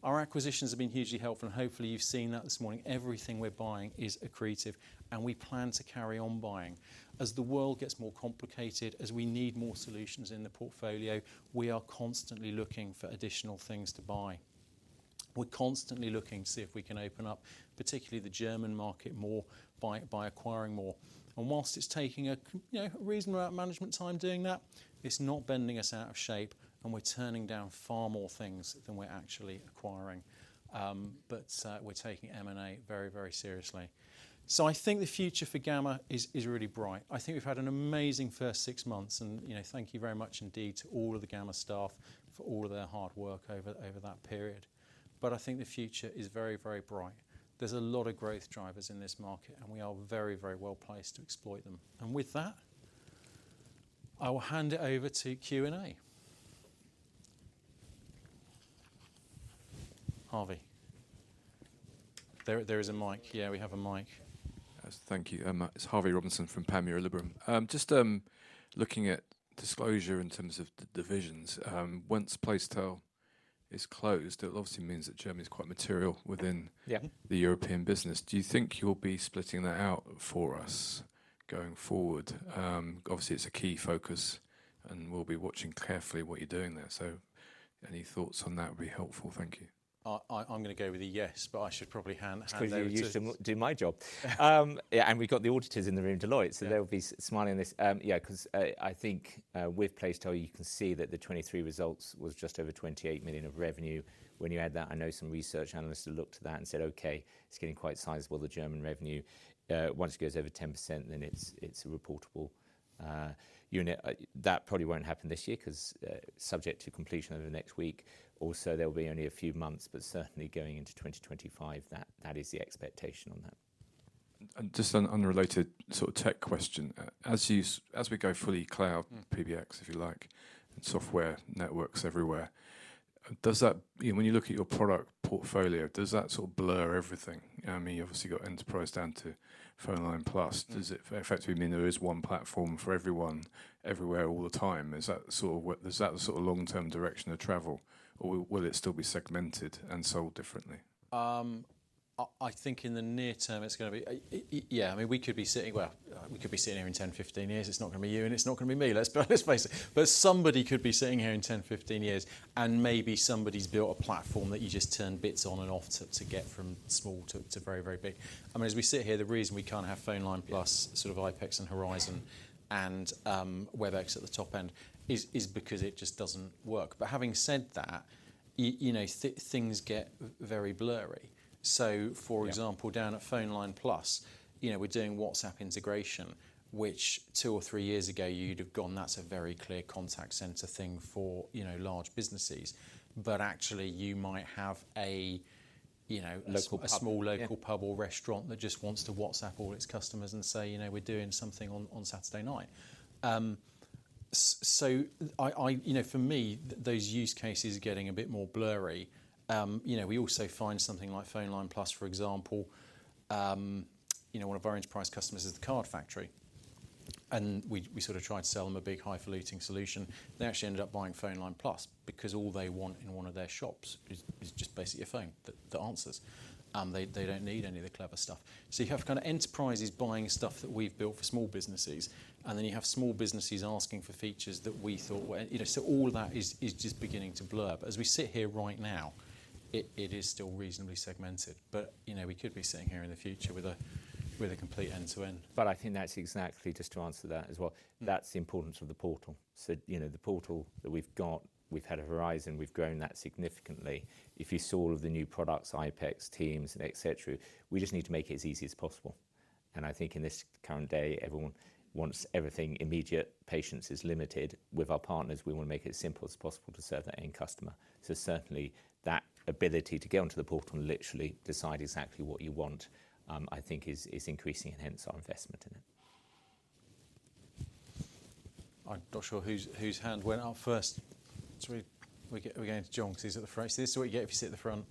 Our acquisitions have been hugely helpful, and hopefully, you've seen that this morning. Everything we're buying is accretive, and we plan to carry on buying. As the world gets more complicated, as we need more solutions in the portfolio, we are constantly looking for additional things to buy. We're constantly looking to see if we can open up, particularly the German market, more by acquiring more. While it's taking you know, a reasonable amount of management time doing that, it's not bending us out of shape, and we're turning down far more things than we're actually acquiring. But we're taking M&A very, very seriously. So I think the future for Gamma is really bright. I think we've had an amazing first six months, and, you know, thank you very much indeed to all of the Gamma staff for all of their hard work over that period. But I think the future is very, very bright. There's a lot of growth drivers in this market, and we are very, very well placed to exploit them. And with that, I will hand it over to Q&A. Harvey. There is a mic. Yeah, we have a mic. Thank you. It's Harvey Robinson from Panmure Gordon. Just looking at disclosure in terms of divisions, once Placetel is closed, it obviously means that Germany's quite material within- Yeah the European business. Do you think you'll be splitting that out for us going forward? Obviously, it's a key focus, and we'll be watching carefully what you're doing there, so any thoughts on that would be helpful. Thank you. I'm gonna go with a yes, but I should probably hand over to- It's 'cause you used to do my job. Yeah, and we've got the auditors in the room, Deloitte- Yeah so they'll be smiling this. Yeah, 'cause I think, with Placetel, you can see that the 2023 results was just over 28 million of revenue. When you add that, I know some research analysts have looked at that and said, "Okay, it's getting quite sizable, the German revenue." Once it goes over 10%, then it's, it's a reportable unit. That probably won't happen this year 'cause, subject to completion over the next week. Also, there'll be only a few months, but certainly going into 2025, that, that is the expectation on that. Just an unrelated sort of tech question. As we go fully cloud PBX, if you like, software networks everywhere, does that when you look at your product portfolio, does that sort of blur everything? I mean, you've obviously got enterprise down to PhoneLine+. Does it effectively mean there is one platform for everyone, everywhere, all the time? Is that sort of what is that the sort of long-term direction of travel, or will it still be segmented and sold differently? I think in the near term, it's gonna be. Yeah, I mean, we could be sitting here in 10, 15 years. It's not gonna be you, and it's not gonna be me, let's be honest, let's face it. But somebody could be sitting here in 10, 15 years, and maybe somebody's built a platform that you just turn bits on and off to get from small to very, very big. I mean, as we sit here, the reason we can't have PhoneLine+ sort of iPECS and Horizon and Webex at the top end is because it just doesn't work. But having said that, you know, things get very blurry. So, for example, down at PhoneLine+, you know, we're doing WhatsApp integration, which two or three years ago you'd have gone, "That's a very clear contact center thing for, you know, large businesses." But actually, you might have a, you know- Local pub a small local pub or restaurant that just wants to WhatsApp all its customers and say, "You know, we're doing something on Saturday night." So I you know, for me, those use cases are getting a bit more blurry. You know, we also find something like PhoneLine+, for example, you know, one of our enterprise customers is The Card Factory, and we sort of tried to sell them a big, highfalutin solution. They actually ended up buying PhoneLine+ because all they want in one of their shops is just basically a phone that answers, and they don't need any of the clever stuff. So you have kind of enterprises buying stuff that we've built for small businesses, and then you have small businesses asking for features that we thought were, you know all of that is just beginning to blur. But as we sit here right now, it is still reasonably segmented, but, you know, we could be sitting here in the future with a complete end-to-end. But I think that's exactly, just to answer that as well, that's the importance of the portal. So, you know, the portal that we've got, we've had a Horizon, we've grown that significantly. If you saw all of the new products, iPECS, Teams, et cetera, we just need to make it as easy as possible, and I think in this current day, everyone wants everything immediate. Patience is limited. With our partners, we wanna make it as simple as possible to serve the end customer. So certainly, that ability to get onto the portal and literally decide exactly what you want, I think is increasing and hence our investment in it. I'm not sure whose hand went up first. Sorry, we're going to John 'cause he's at the front. So this is what you get if you sit at the front.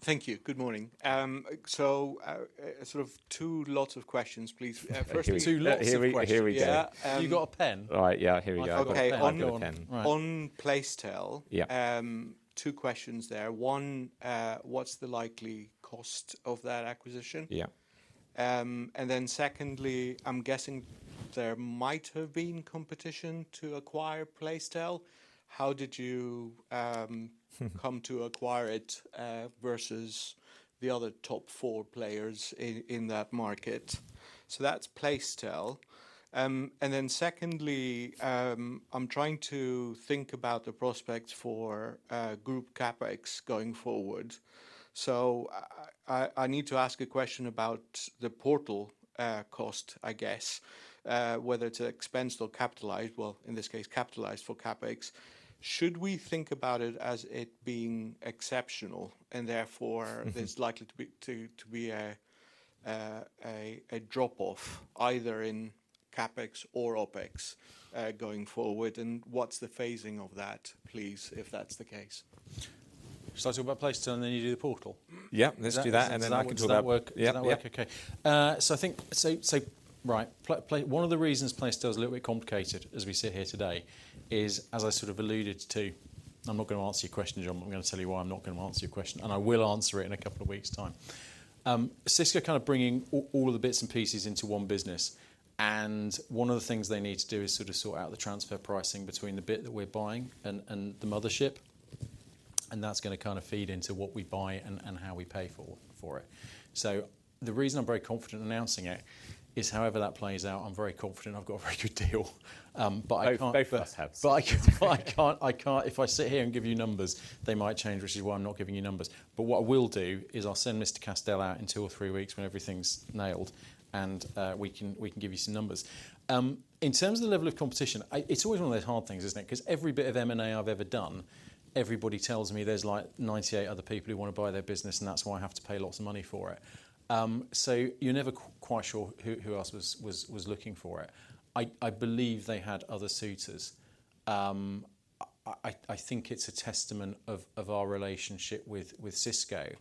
Thank you. Good morning. So, sort of two lots of questions, please. First- Two lots of questions. Here we go. Yeah. Um- You got a pen? Right, yeah. Here we go. I've got a pen. On Placetel- Yeah. Two questions there. One, what's the likely cost of that acquisition? Yeah. And then secondly, I'm guessing there might have been competition to acquire Placetel. How did you come to acquire it versus the other top four players in that market? So that's Placetel. And then secondly, I'm trying to think about the prospects for group CapEx going forward. So I need to ask a question about the portal cost, I guess. Whether it's expense or capitalized, well, in this case, capitalized for CapEx. Should we think about it as it being exceptional, and therefore- Mm-hmm there's likely to be a drop-off either in CapEx or OpEx going forward? And what's the phasing of that, please, if that's the case? Shall I talk about Placetel, and then you do the portal? Yeah, let's do that, and then I can talk about- Does that work? Yeah. Does that work okay? Yeah. Right, one of the reasons Placetel is a little bit complicated as we sit here today is, as I sort of alluded to, I'm not gonna answer your question, John. I'm gonna tell you why I'm not gonna answer your question, and I will answer it in a couple of weeks' time. Cisco kind of bringing all the bits and pieces into one business, and one of the things they need to do is sort of sort out the transfer pricing between the bit that we're buying and the mothership, and that's gonna feed into what we buy and how we pay for it. So the reason I'm very confident announcing it is however that plays out, I'm very confident I've got a very good deal, but I can't- Both of us have. But I can't. If I sit here and give you numbers, they might change, which is why I'm not giving you numbers. But what I will do is I'll send Mr. Castell out in two or three weeks when everything's nailed, and we can give you some numbers. In terms of the level of competition, it's always one of those hard things, isn't it? 'Cause every bit of M&A I've ever done, everybody tells me there's like 98 other people who wanna buy their business, and that's why I have to pay lots of money for it. So you're never quite sure who else was looking for it. I believe they had other suitors. I think it's a testament of our relationship with Cisco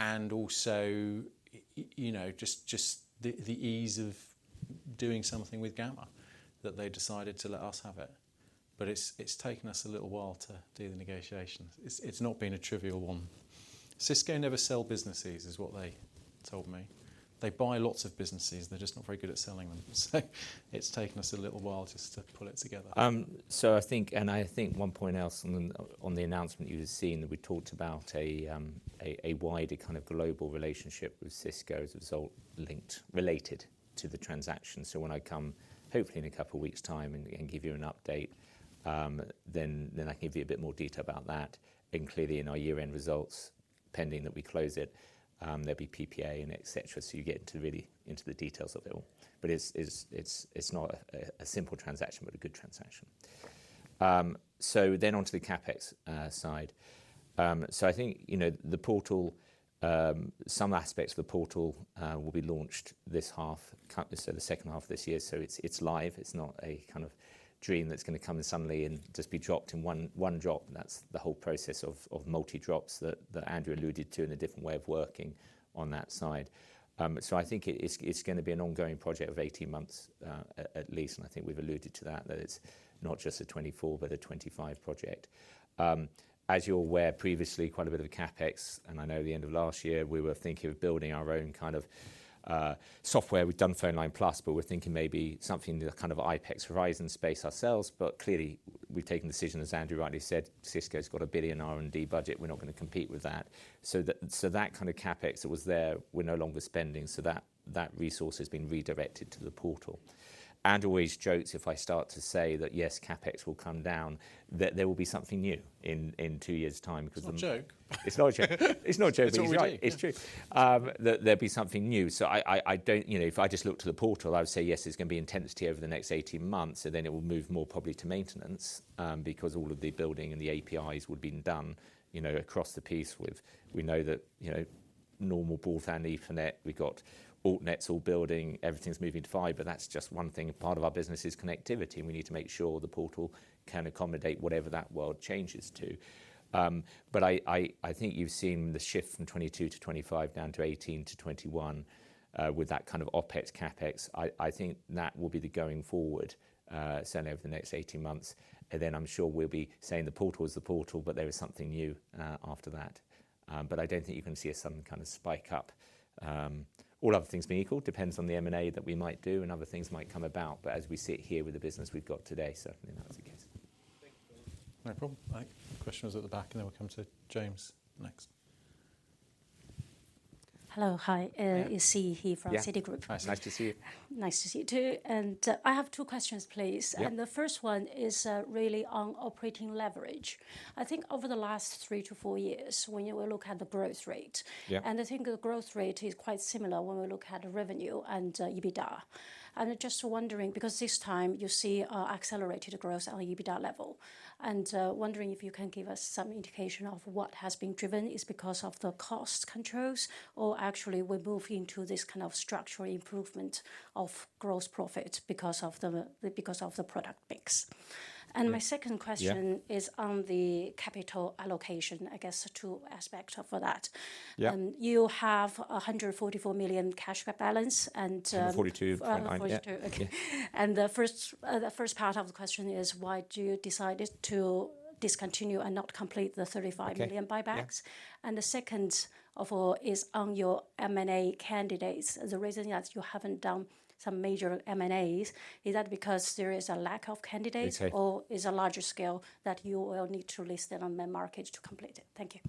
and also, you know, just the ease of doing something with Gamma, that they decided to let us have it. But it's taken us a little while to do the negotiations. It's not been a trivial one. Cisco never sell businesses, is what they told me. They buy lots of businesses, they're just not very good at selling them. So it's taken us a little while just to pull it together. So I think one point else on the announcement you had seen, that we talked about a wider kind of global relationship with Cisco as a result, related to the transaction. So when I come, hopefully in a couple of weeks' time, and give you an update, then I can give you a bit more detail about that. And clearly, in our year-end results, pending that we close it, there'll be PPA and et cetera, so you get into the details of it all. But it's not a simple transaction, but a good transaction. So then onto the CapEx side. So I think, you know, the portal, some aspects of the portal, will be launched this half, so the second half of this year. So it's live, it's not a kind of dream that's gonna come suddenly and just be dropped in one drop, and that's the whole process of multi-drops that Andrew alluded to, and a different way of working on that side. So I think it's gonna be an ongoing project of eighteen months, at least, and I think we've alluded to that, that it's not just a 2024, but a 2025 project. As you're aware, previously, quite a bit of the CapEx, and I know at the end of last year, we were thinking of building our own kind of software. We've done PhoneLine+, but we're thinking maybe something in the kind of iPECS, Horizon space ourselves, but clearly, we've taken the decision, as Andrew rightly said, Cisco's got a billion R&D budget, we're not gonna compete with that. So that kind of CapEx that was there, we're no longer spending, so that resource has been redirected to the portal. Andrew always jokes if I start to say that, "Yes, CapEx will come down," that there will be something new in two years' time, because- It's not a joke. It's not a joke. It's no joke, but he's right. It's all we do. It's true. There'll be something new. So I don't, you know, if I just look to the portal, I would say, yes, it's gonna be intensity over the next eighteen months, and then it will move more probably to maintenance, because all of the building and the APIs would've been done, you know, across the piece with we know that, you know, normal port and ethernet, we've got Altnets all building, everything's moving to fiber. That's just one thing. Part of our business is connectivity, and we need to make sure the portal can accommodate whatever that world changes to. But I think you've seen the shift from 2022 to 2025, down to 2018 to 2021, with that kind of OpEx, CapEx. I think that will be the going forward, certainly over the next eighteen months, and then I'm sure we'll be saying the portal is the portal, but there is something new, after that, but I don't think you're gonna see some kind of spike up, all other things being equal, depends on the M&A that we might do, and other things might come about, but as we sit here with the business we've got today, certainly not the case. Thank you. No problem. Mike, the questioner was at the back, and then we'll come to James next. Hello. Hi. Hiya. Siyi He from- Yeah Citigroup. Nice to see you. Nice to see you, too. And, I have two questions, please. Yeah. And the first one is, really on operating leverage. I think over the last three to four years, when you will look at the growth rate Yeah And I think the growth rate is quite similar when we look at the revenue and EBITDA. And just wondering, because this time you see accelerated growth on the EBITDA level, and wondering if you can give us some indication of what has been driven, is because of the cost controls or actually we're moving into this kind of structural improvement of gross profit because of the product mix? Yeah. And my second question Yeah is on the capital allocation, I guess two aspects for that. Yeah. You have 144 million cash balance, and, 142.9 Oh, 142. Yeah. Okay. And the first part of the question is, why do you decide to discontinue and not complete the 35 Okay million buybacks? Yeah. The second of all is on your M&A candidates. The reason that you haven't done some major M&As is that because there is a lack of candidates? Okay or is a larger scale that you will need to list it on the market to complete it? Thank you.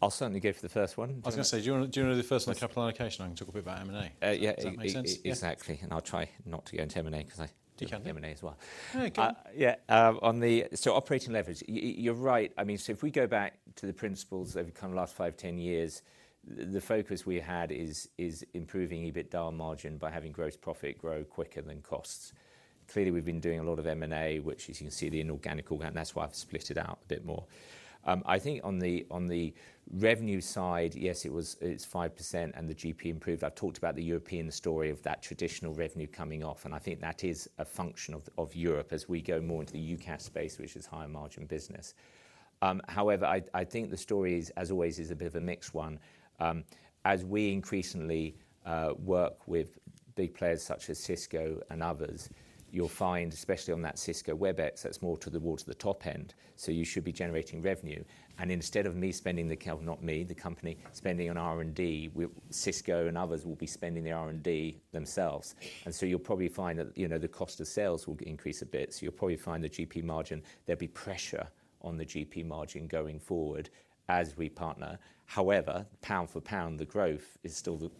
I'll certainly go for the first one. I was gonna say, do you wanna, do you wanna do the first on the capital allocation, and I can talk a bit about M&A? Uh, yeah. Does that make sense? E- exactly. Yeah. And I'll try not to go into M&A, because I- You can M&A as well. No, okay. Yeah, on the operating leverage. You're right. I mean, so if we go back to the principles over kind of the last five, 10 years, the focus we had is improving EBITDA margin by having gross profit grow quicker than costs. Clearly, we've been doing a lot of M&A, which, as you can see, the inorganic and organic, that's why I've split it out a bit more. I think on the revenue side, yes, it was, it's 5%, and the GP improved. I've talked about the European story of that traditional revenue coming off, and I think that is a function of Europe as we go more into the UCaaS space, which is higher margin business. However, I think the story is, as always, a bit of a mixed one. As we increasingly work with big players such as Cisco and others, you'll find, especially on that Cisco Webex, that's more to the, more to the top end, so you should be generating revenue. And instead of me spending the CapEx, not me, the company, spending on R&D, we, Cisco and others will be spending the R&D themselves. And so you'll probably find that, you know, the cost of sales will increase a bit, so you'll probably find the GP margin, there'll be pressure on the GP margin going forward as we partner. However, pound for pound, the growth is still the,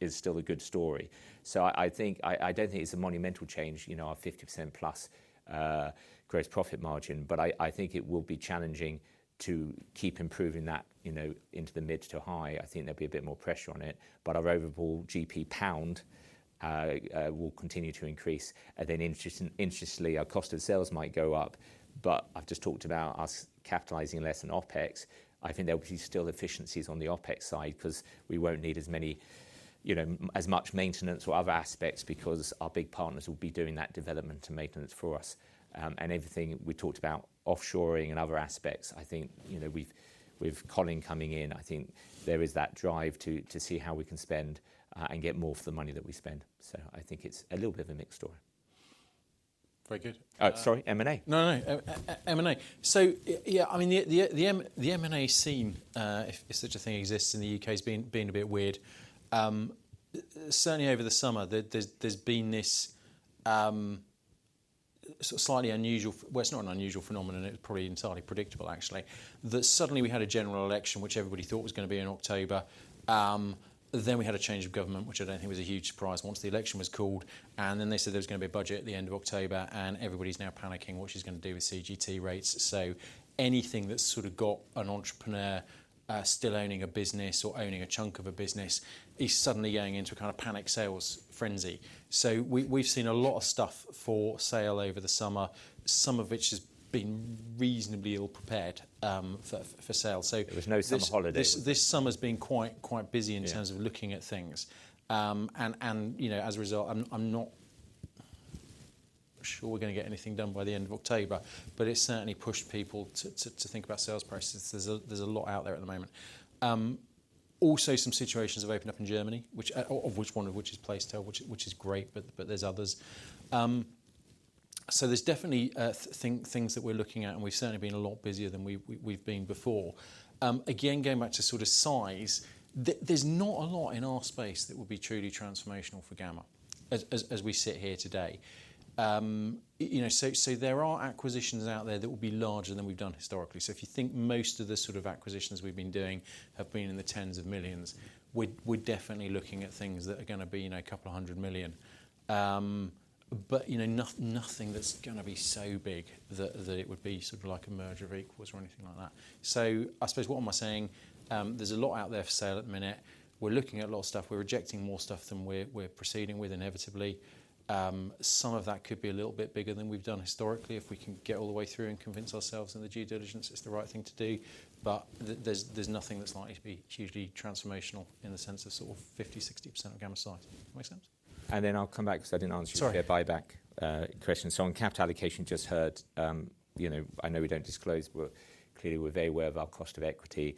is still a good story. So I, I think. I, I don't think it's a monumental change, you know, our 50%+ gross profit margin, but I, I think it will be challenging to keep improving that, you know, into the mid to high. I think there'll be a bit more pressure on it, but our overall GP pound will continue to increase, and then interestingly, our cost of sales might go up, but I've just talked about us capitalising less on OpEx. I think there will be still efficiencies on the OpEx side, 'cause we won't need as many, you know, as much maintenance or other aspects, because our big partners will be doing that development and maintenance for us. And everything we talked about, offshoring and other aspects, I think, you know, with Colin coming in, I think there is that drive to see how we can spend and get more for the money that we spend, so I think it's a little bit of a mixed story. Very good. Sorry, M&A? No, no, M&A. So yeah, I mean, the M&A scene, if such a thing exists in the U.K., has been a bit weird. Certainly over the summer, there's been this sort of slightly unusual - well, it's not an unusual phenomenon, it was probably entirely predictable, actually. That suddenly we had a general election, which everybody thought was gonna be in October. Then we had a change of government, which I don't think was a huge surprise once the election was called, and then they said there was gonna be a budget at the end of October, and everybody's now panicking, which is gonna do with CGT rates. So anything that's sort of got an entrepreneur still owning a business or owning a chunk of a business is suddenly going into a kind of panic sales frenzy. So we, we've seen a lot of stuff for sale over the summer, some of which has been reasonably ill-prepared for sale. So- There was no summer holiday. This summer's been quite, quite busy Yeah in terms of looking at things. And, you know, as a result, I'm not sure we're gonna get anything done by the end of October, but it's certainly pushed people to think about sales prices. There's a lot out there at the moment. Also, some situations have opened up in Germany, of which one is Placetel, which is great, but there's others. So there's definitely things that we're looking at, and we've certainly been a lot busier than we've been before. Again, going back to sort of size, there's not a lot in our space that would be truly transformational for Gamma as we sit here today. You know, so there are acquisitions out there that will be larger than we've done historically. So if you think most of the sort of acquisitions we've been doing have been in the tens of millions, we're definitely looking at things that are gonna be, you know, a couple of hundred million. But, you know, nothing that's gonna be so big that it would be sort of like a merger of equals or anything like that. So I suppose what am I saying? There's a lot out there for sale at the minute. We're looking at a lot of stuff. We're rejecting more stuff than we're proceeding with, inevitably. Some of that could be a little bit bigger than we've done historically, if we can get all the way through and convince ourselves in the due diligence it's the right thing to do. But there's nothing that's likely to be hugely transformational in the sense of sort of 50%-60% of Gamma size. Make sense? And then I'll come back because I didn't answer. Sorry. Your share buyback question. So on capital allocation, just heard, you know, I know we don't disclose, but clearly we're very aware of our cost of equity,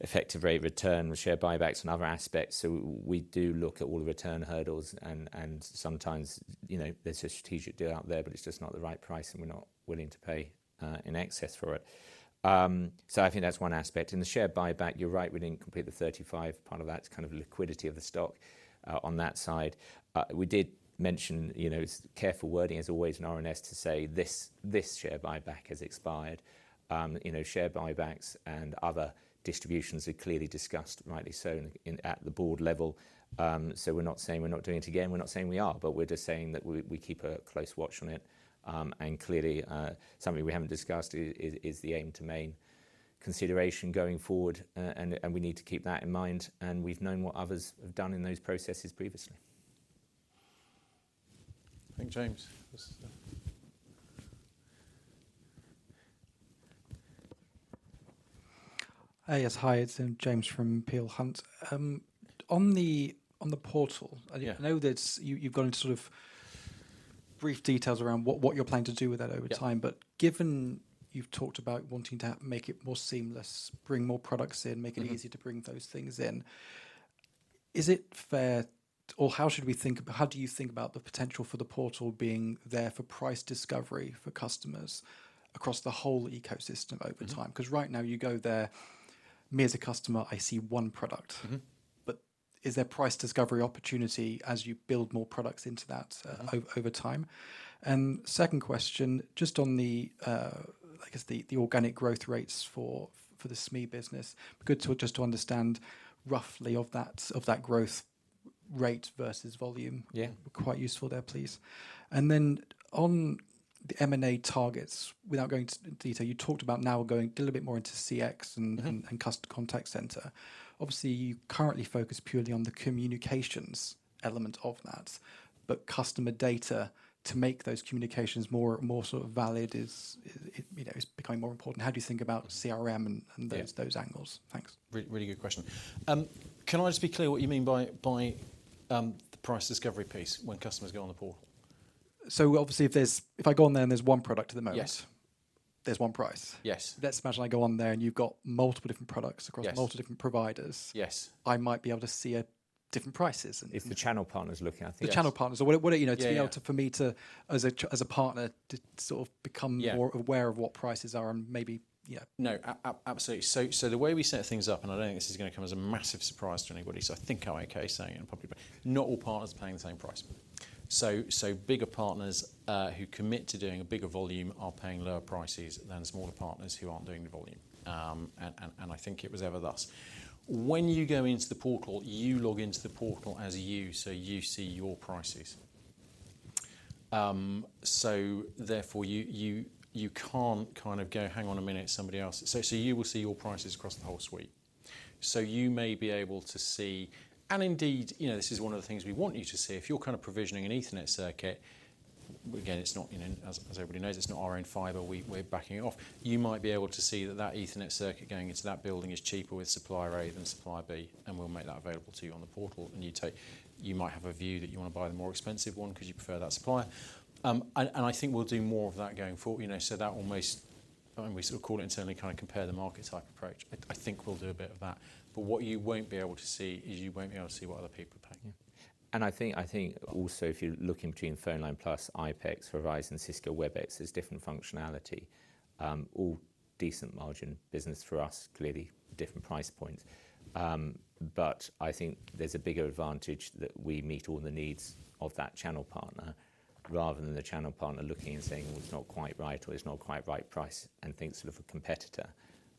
effective rate of return, share buybacks, and other aspects. So we do look at all the return hurdles and sometimes, you know, there's a strategic deal out there, but it's just not the right price, and we're not willing to pay in excess for it. So I think that's one aspect. In the share buyback, you're right, we didn't complete the thirty-five. Part of that's kind of liquidity of the stock on that side. We did mention, you know, careful wording as always in RNS to say, "This share buyback has expired." You know, share buybacks and other distributions are clearly discussed, rightly so, in at the board level. So we're not saying we're not doing it again, we're not saying we are, but we're just saying that we keep a close watch on it. And clearly, something we haven't discussed is the AIM to Main consideration going forward, and we need to keep that in mind, and we've known what others have done in those processes previously. I think, James. Hey, yes, hi, it's James from Peel Hunt. On the portal Yeah I know that you, you've gone into sort of brief details around what you're planning to do with that over time. Yeah. But given you've talked about wanting to make it more seamless, bring more products in Mm-hmm make it easier to bring those things in, is it fair or how do you think about the potential for the portal being there for price discovery for customers across the whole ecosystem over time? Mm-hmm. 'Cause right now you go there, me as a customer, I see one product. Mm-hmm. But is there price discovery opportunity as you build more products into that? Mm-hmm over time? And second question, just on the, I guess the organic growth rates for the SME business, be good to just to understand roughly of that growth rate versus volume. Yeah. Quite useful there, please. And then on the M&A targets, without going into detail, you talked about now going a little bit more into CX and Mm-hmm and customer contact center. Obviously, you currently focus purely on the communications element of that, but customer data to make those communications more, more sort of valid is, you know, is becoming more important. How do you think about CRM and- Yeah those angles? Thanks. Really good question. Can I just be clear what you mean by the price discovery piece when customers go on the portal? So obviously if I go on there and there's one product at the moment Yes. There's one price. Yes. Let's imagine I go on there, and you've got multiple different products- Yes across multiple different providers. Yes. I might be able to see different prices and- If the channel partner is looking at it. Yes. The channel partners. Or what, you know- Yeah, yeah to be able to, for me to, as a partner, to sort of become Yeah more aware of what prices are and maybe, yeah. No, absolutely. So the way we set things up, and I don't think this is gonna come as a massive surprise to anybody, so I think I'm okay saying it in public, but not all partners are paying the same price. So bigger partners who commit to doing a bigger volume are paying lower prices than smaller partners who aren't doing the volume. And I think it was ever thus. When you go into the portal, you log into the portal as you, so you see your prices. So therefore, you can't kind of go, "Hang on a minute, somebody else." So you will see your prices across the whole suite. So you may be able to see. And indeed, you know, this is one of the things we want you to see. If you're kind of provisioning an Ethernet circuit, again, it's not, you know, as everybody knows, it's not our own fiber, we're backing it off. You might be able to see that Ethernet circuit going into that building is cheaper with supplier A than supplier B, and we'll make that available to you on the portal, and you might have a view that you wanna buy the more expensive one 'cause you prefer that supplier. And I think we'll do more of that going forward, you know, so that we sort of call it internally, kind of compare the market type approach. I think we'll do a bit of that, but what you won't be able to see is you won't be able to see what other people are paying. Yeah, and I think also if you're looking between PhoneLine+, iPECS, Horizon, Cisco Webex, there's different functionality. All decent margin business for us, clearly different price points, but I think there's a bigger advantage that we meet all the needs of that channel partner, rather than the channel partner looking and saying: "Well, it's not quite right or it's not quite right price," and think sort of a competitor.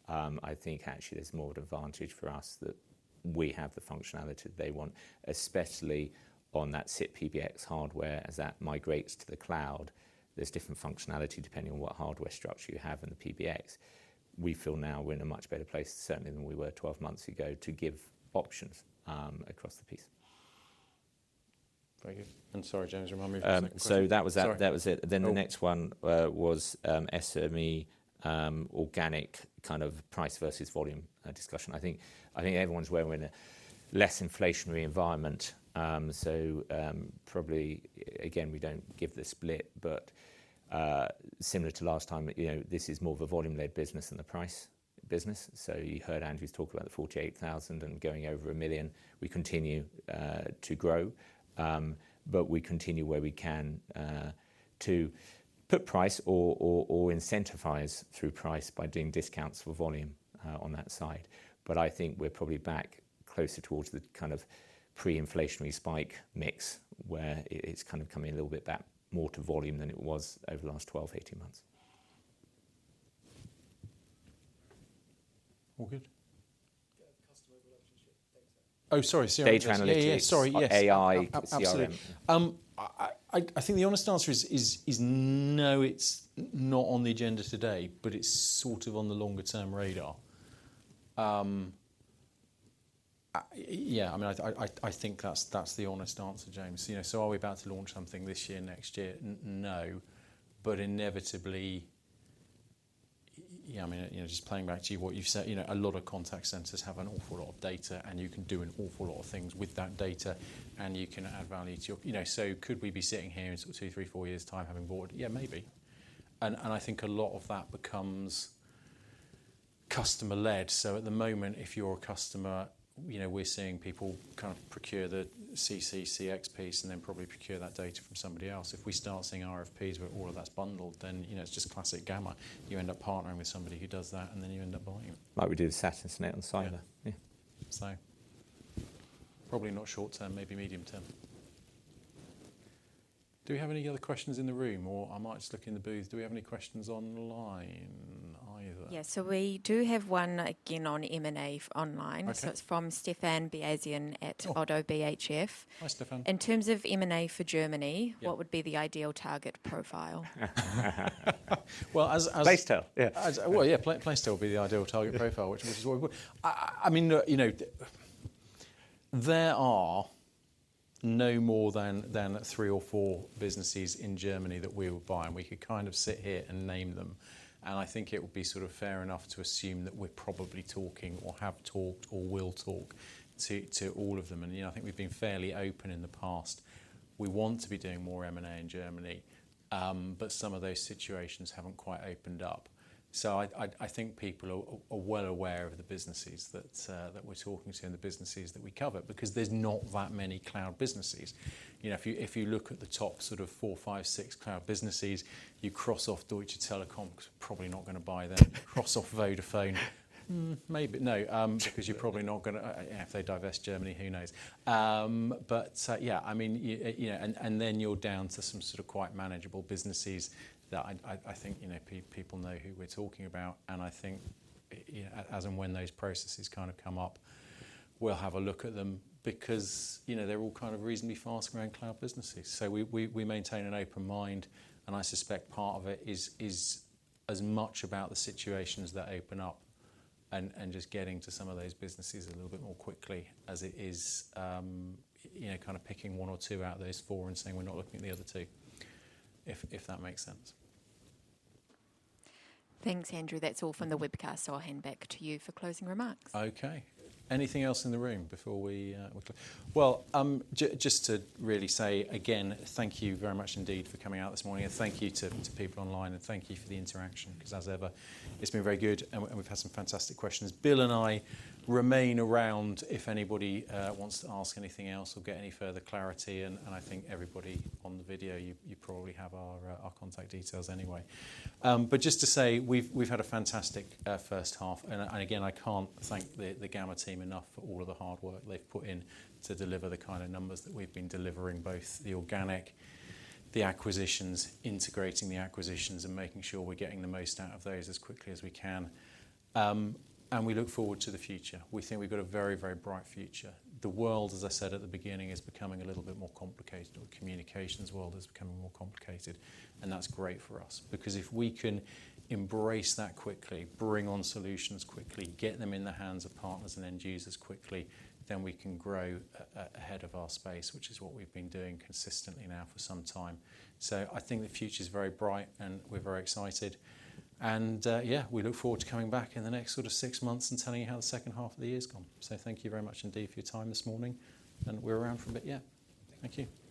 I think actually there's more of an advantage for us that we have the functionality that they want, especially on that SIP PBX hardware, as that migrates to the cloud. There's different functionality depending on what hardware structure you have in the PBX. We feel now we're in a much better place, certainly than we were twelve months ago, to give options across the piece. Thank you. I'm sorry, James. Remind me of the second question. So that was that. Sorry. That was it. Cool. Then the next one was SME organic kind of price versus volume discussion. I think I think everyone's aware we're in a less inflationary environment, so probably again, we don't give the split, but similar to last time, you know, this is more of a volume-led business than the price business. So you heard Andrew talk about the forty-eight thousand and going over a million. We continue to grow, but we continue where we can to put price or incentivise through price by doing discounts for volume on that side. But I think we're probably back closer towards the kind of pre-inflationary spike mix, where it, it's kind of coming a little bit back more to volume than it was over the last twelve, eighteen months. All good? Customer relationship data. Oh, sorry, CRM. Data analytics. Yeah, yeah, sorry. Yes. AI, CRM. Absolutely. I think the honest answer is no, it's not on the agenda today, but it's sort of on the longer-term radar. Yeah, I mean, I think that's the honest answer, James. You know, so are we about to launch something this year, next year? No, but inevitably, yeah, I mean, you know, just playing back to you what you've said, you know, a lot of contact centers have an awful lot of data, and you can do an awful lot of things with that data, and you can add value to your you know, so could we be sitting here in sort of two, three, four years' time having bought it? Yeah, maybe. And I think a lot of that becomes customer-led. So at the moment, if you're a customer, you know, we're seeing people kind of procure the CC, CX piece and then probably procure that data from somebody else. If we start seeing RFPs where all of that's bundled, then, you know, it's just classic Gamma. You end up partnering with somebody who does that, and then you end up buying them. Like we did with Satisnet and Cyber. Yeah. Yeah. So probably not short term, maybe medium term. Do we have any other questions in the room? Or I might just look in the booth. Do we have any questions online either? Yeah, so we do have one again on M&A online. Okay. So it's from Stephane Beyazian at Oddo BHF. Hi, Stéphane. In terms of M&A for Germany Yeah. What would be the ideal target profile? Well, as Placetel. Yeah. Well, yeah, Placetel would be the ideal target profile, which is what we I mean, look, you know, there are no more than three or four businesses in Germany that we would buy, and we could kind of sit here and name them. I think it would be sort of fair enough to assume that we're probably talking or have talked or will talk to all of them. You know, I think we've been fairly open in the past. We want to be doing more M&A in Germany, but some of those situations haven't quite opened up. So I think people are well aware of the businesses that we're talking to and the businesses that we cover, because there's not that many cloud businesses. You know, if you look at the top sort of four, five, six cloud businesses, you cross off Deutsche Telekom, probably not gonna buy them. Cross off Vodafone. Because you're probably not gonna. If they divest Germany, who knows? But yeah, I mean, you know, and then you're down to some sort of quite manageable businesses that I think, you know, people know who we're talking about, and I think, as and when those processes kind of come up, we'll have a look at them because, you know, they're all kind of reasonably fast-growing cloud businesses. So we maintain an open mind, and I suspect part of it is as much about the situations that open up and just getting to some of those businesses a little bit more quickly as it is, you know, kind of picking one or two out of those four and saying: "We're not looking at the other two," if that makes sense. Thanks, Andrew. That's all from the webcast, so I'll hand back to you for closing remarks. Okay. Anything else in the room before we? Well, just to really say again, thank you very much indeed for coming out this morning. And thank you to people online, and thank you for the interaction, 'cause as ever, it's been very good, and we've had some fantastic questions. Bill and I remain around if anybody wants to ask anything else or get any further clarity, and I think everybody on the video, you probably have our contact details anyway. But just to say, we've had a fantastic first half, and again, I can't thank the Gamma team enough for all of the hard work they've put in to deliver the kind of numbers that we've been delivering, both the organic, the acquisitions, integrating the acquisitions, and making sure we're getting the most out of those as quickly as we can, and we look forward to the future. We think we've got a very, very bright future. The world, as I said at the beginning, is becoming a little bit more complicated, or the communications world is becoming more complicated, and that's great for us. Because if we can embrace that quickly, bring on solutions quickly, get them in the hands of partners and end users quickly, then we can grow ahead of our space, which is what we've been doing consistently now for some time. So I think the future is very bright, and we're very excited, and, yeah, we look forward to coming back in the next sort of six months and telling you how the second half of the year's gone. So thank you very much indeed for your time this morning, and we're around for a bit. Yeah. Thank you. Thank you.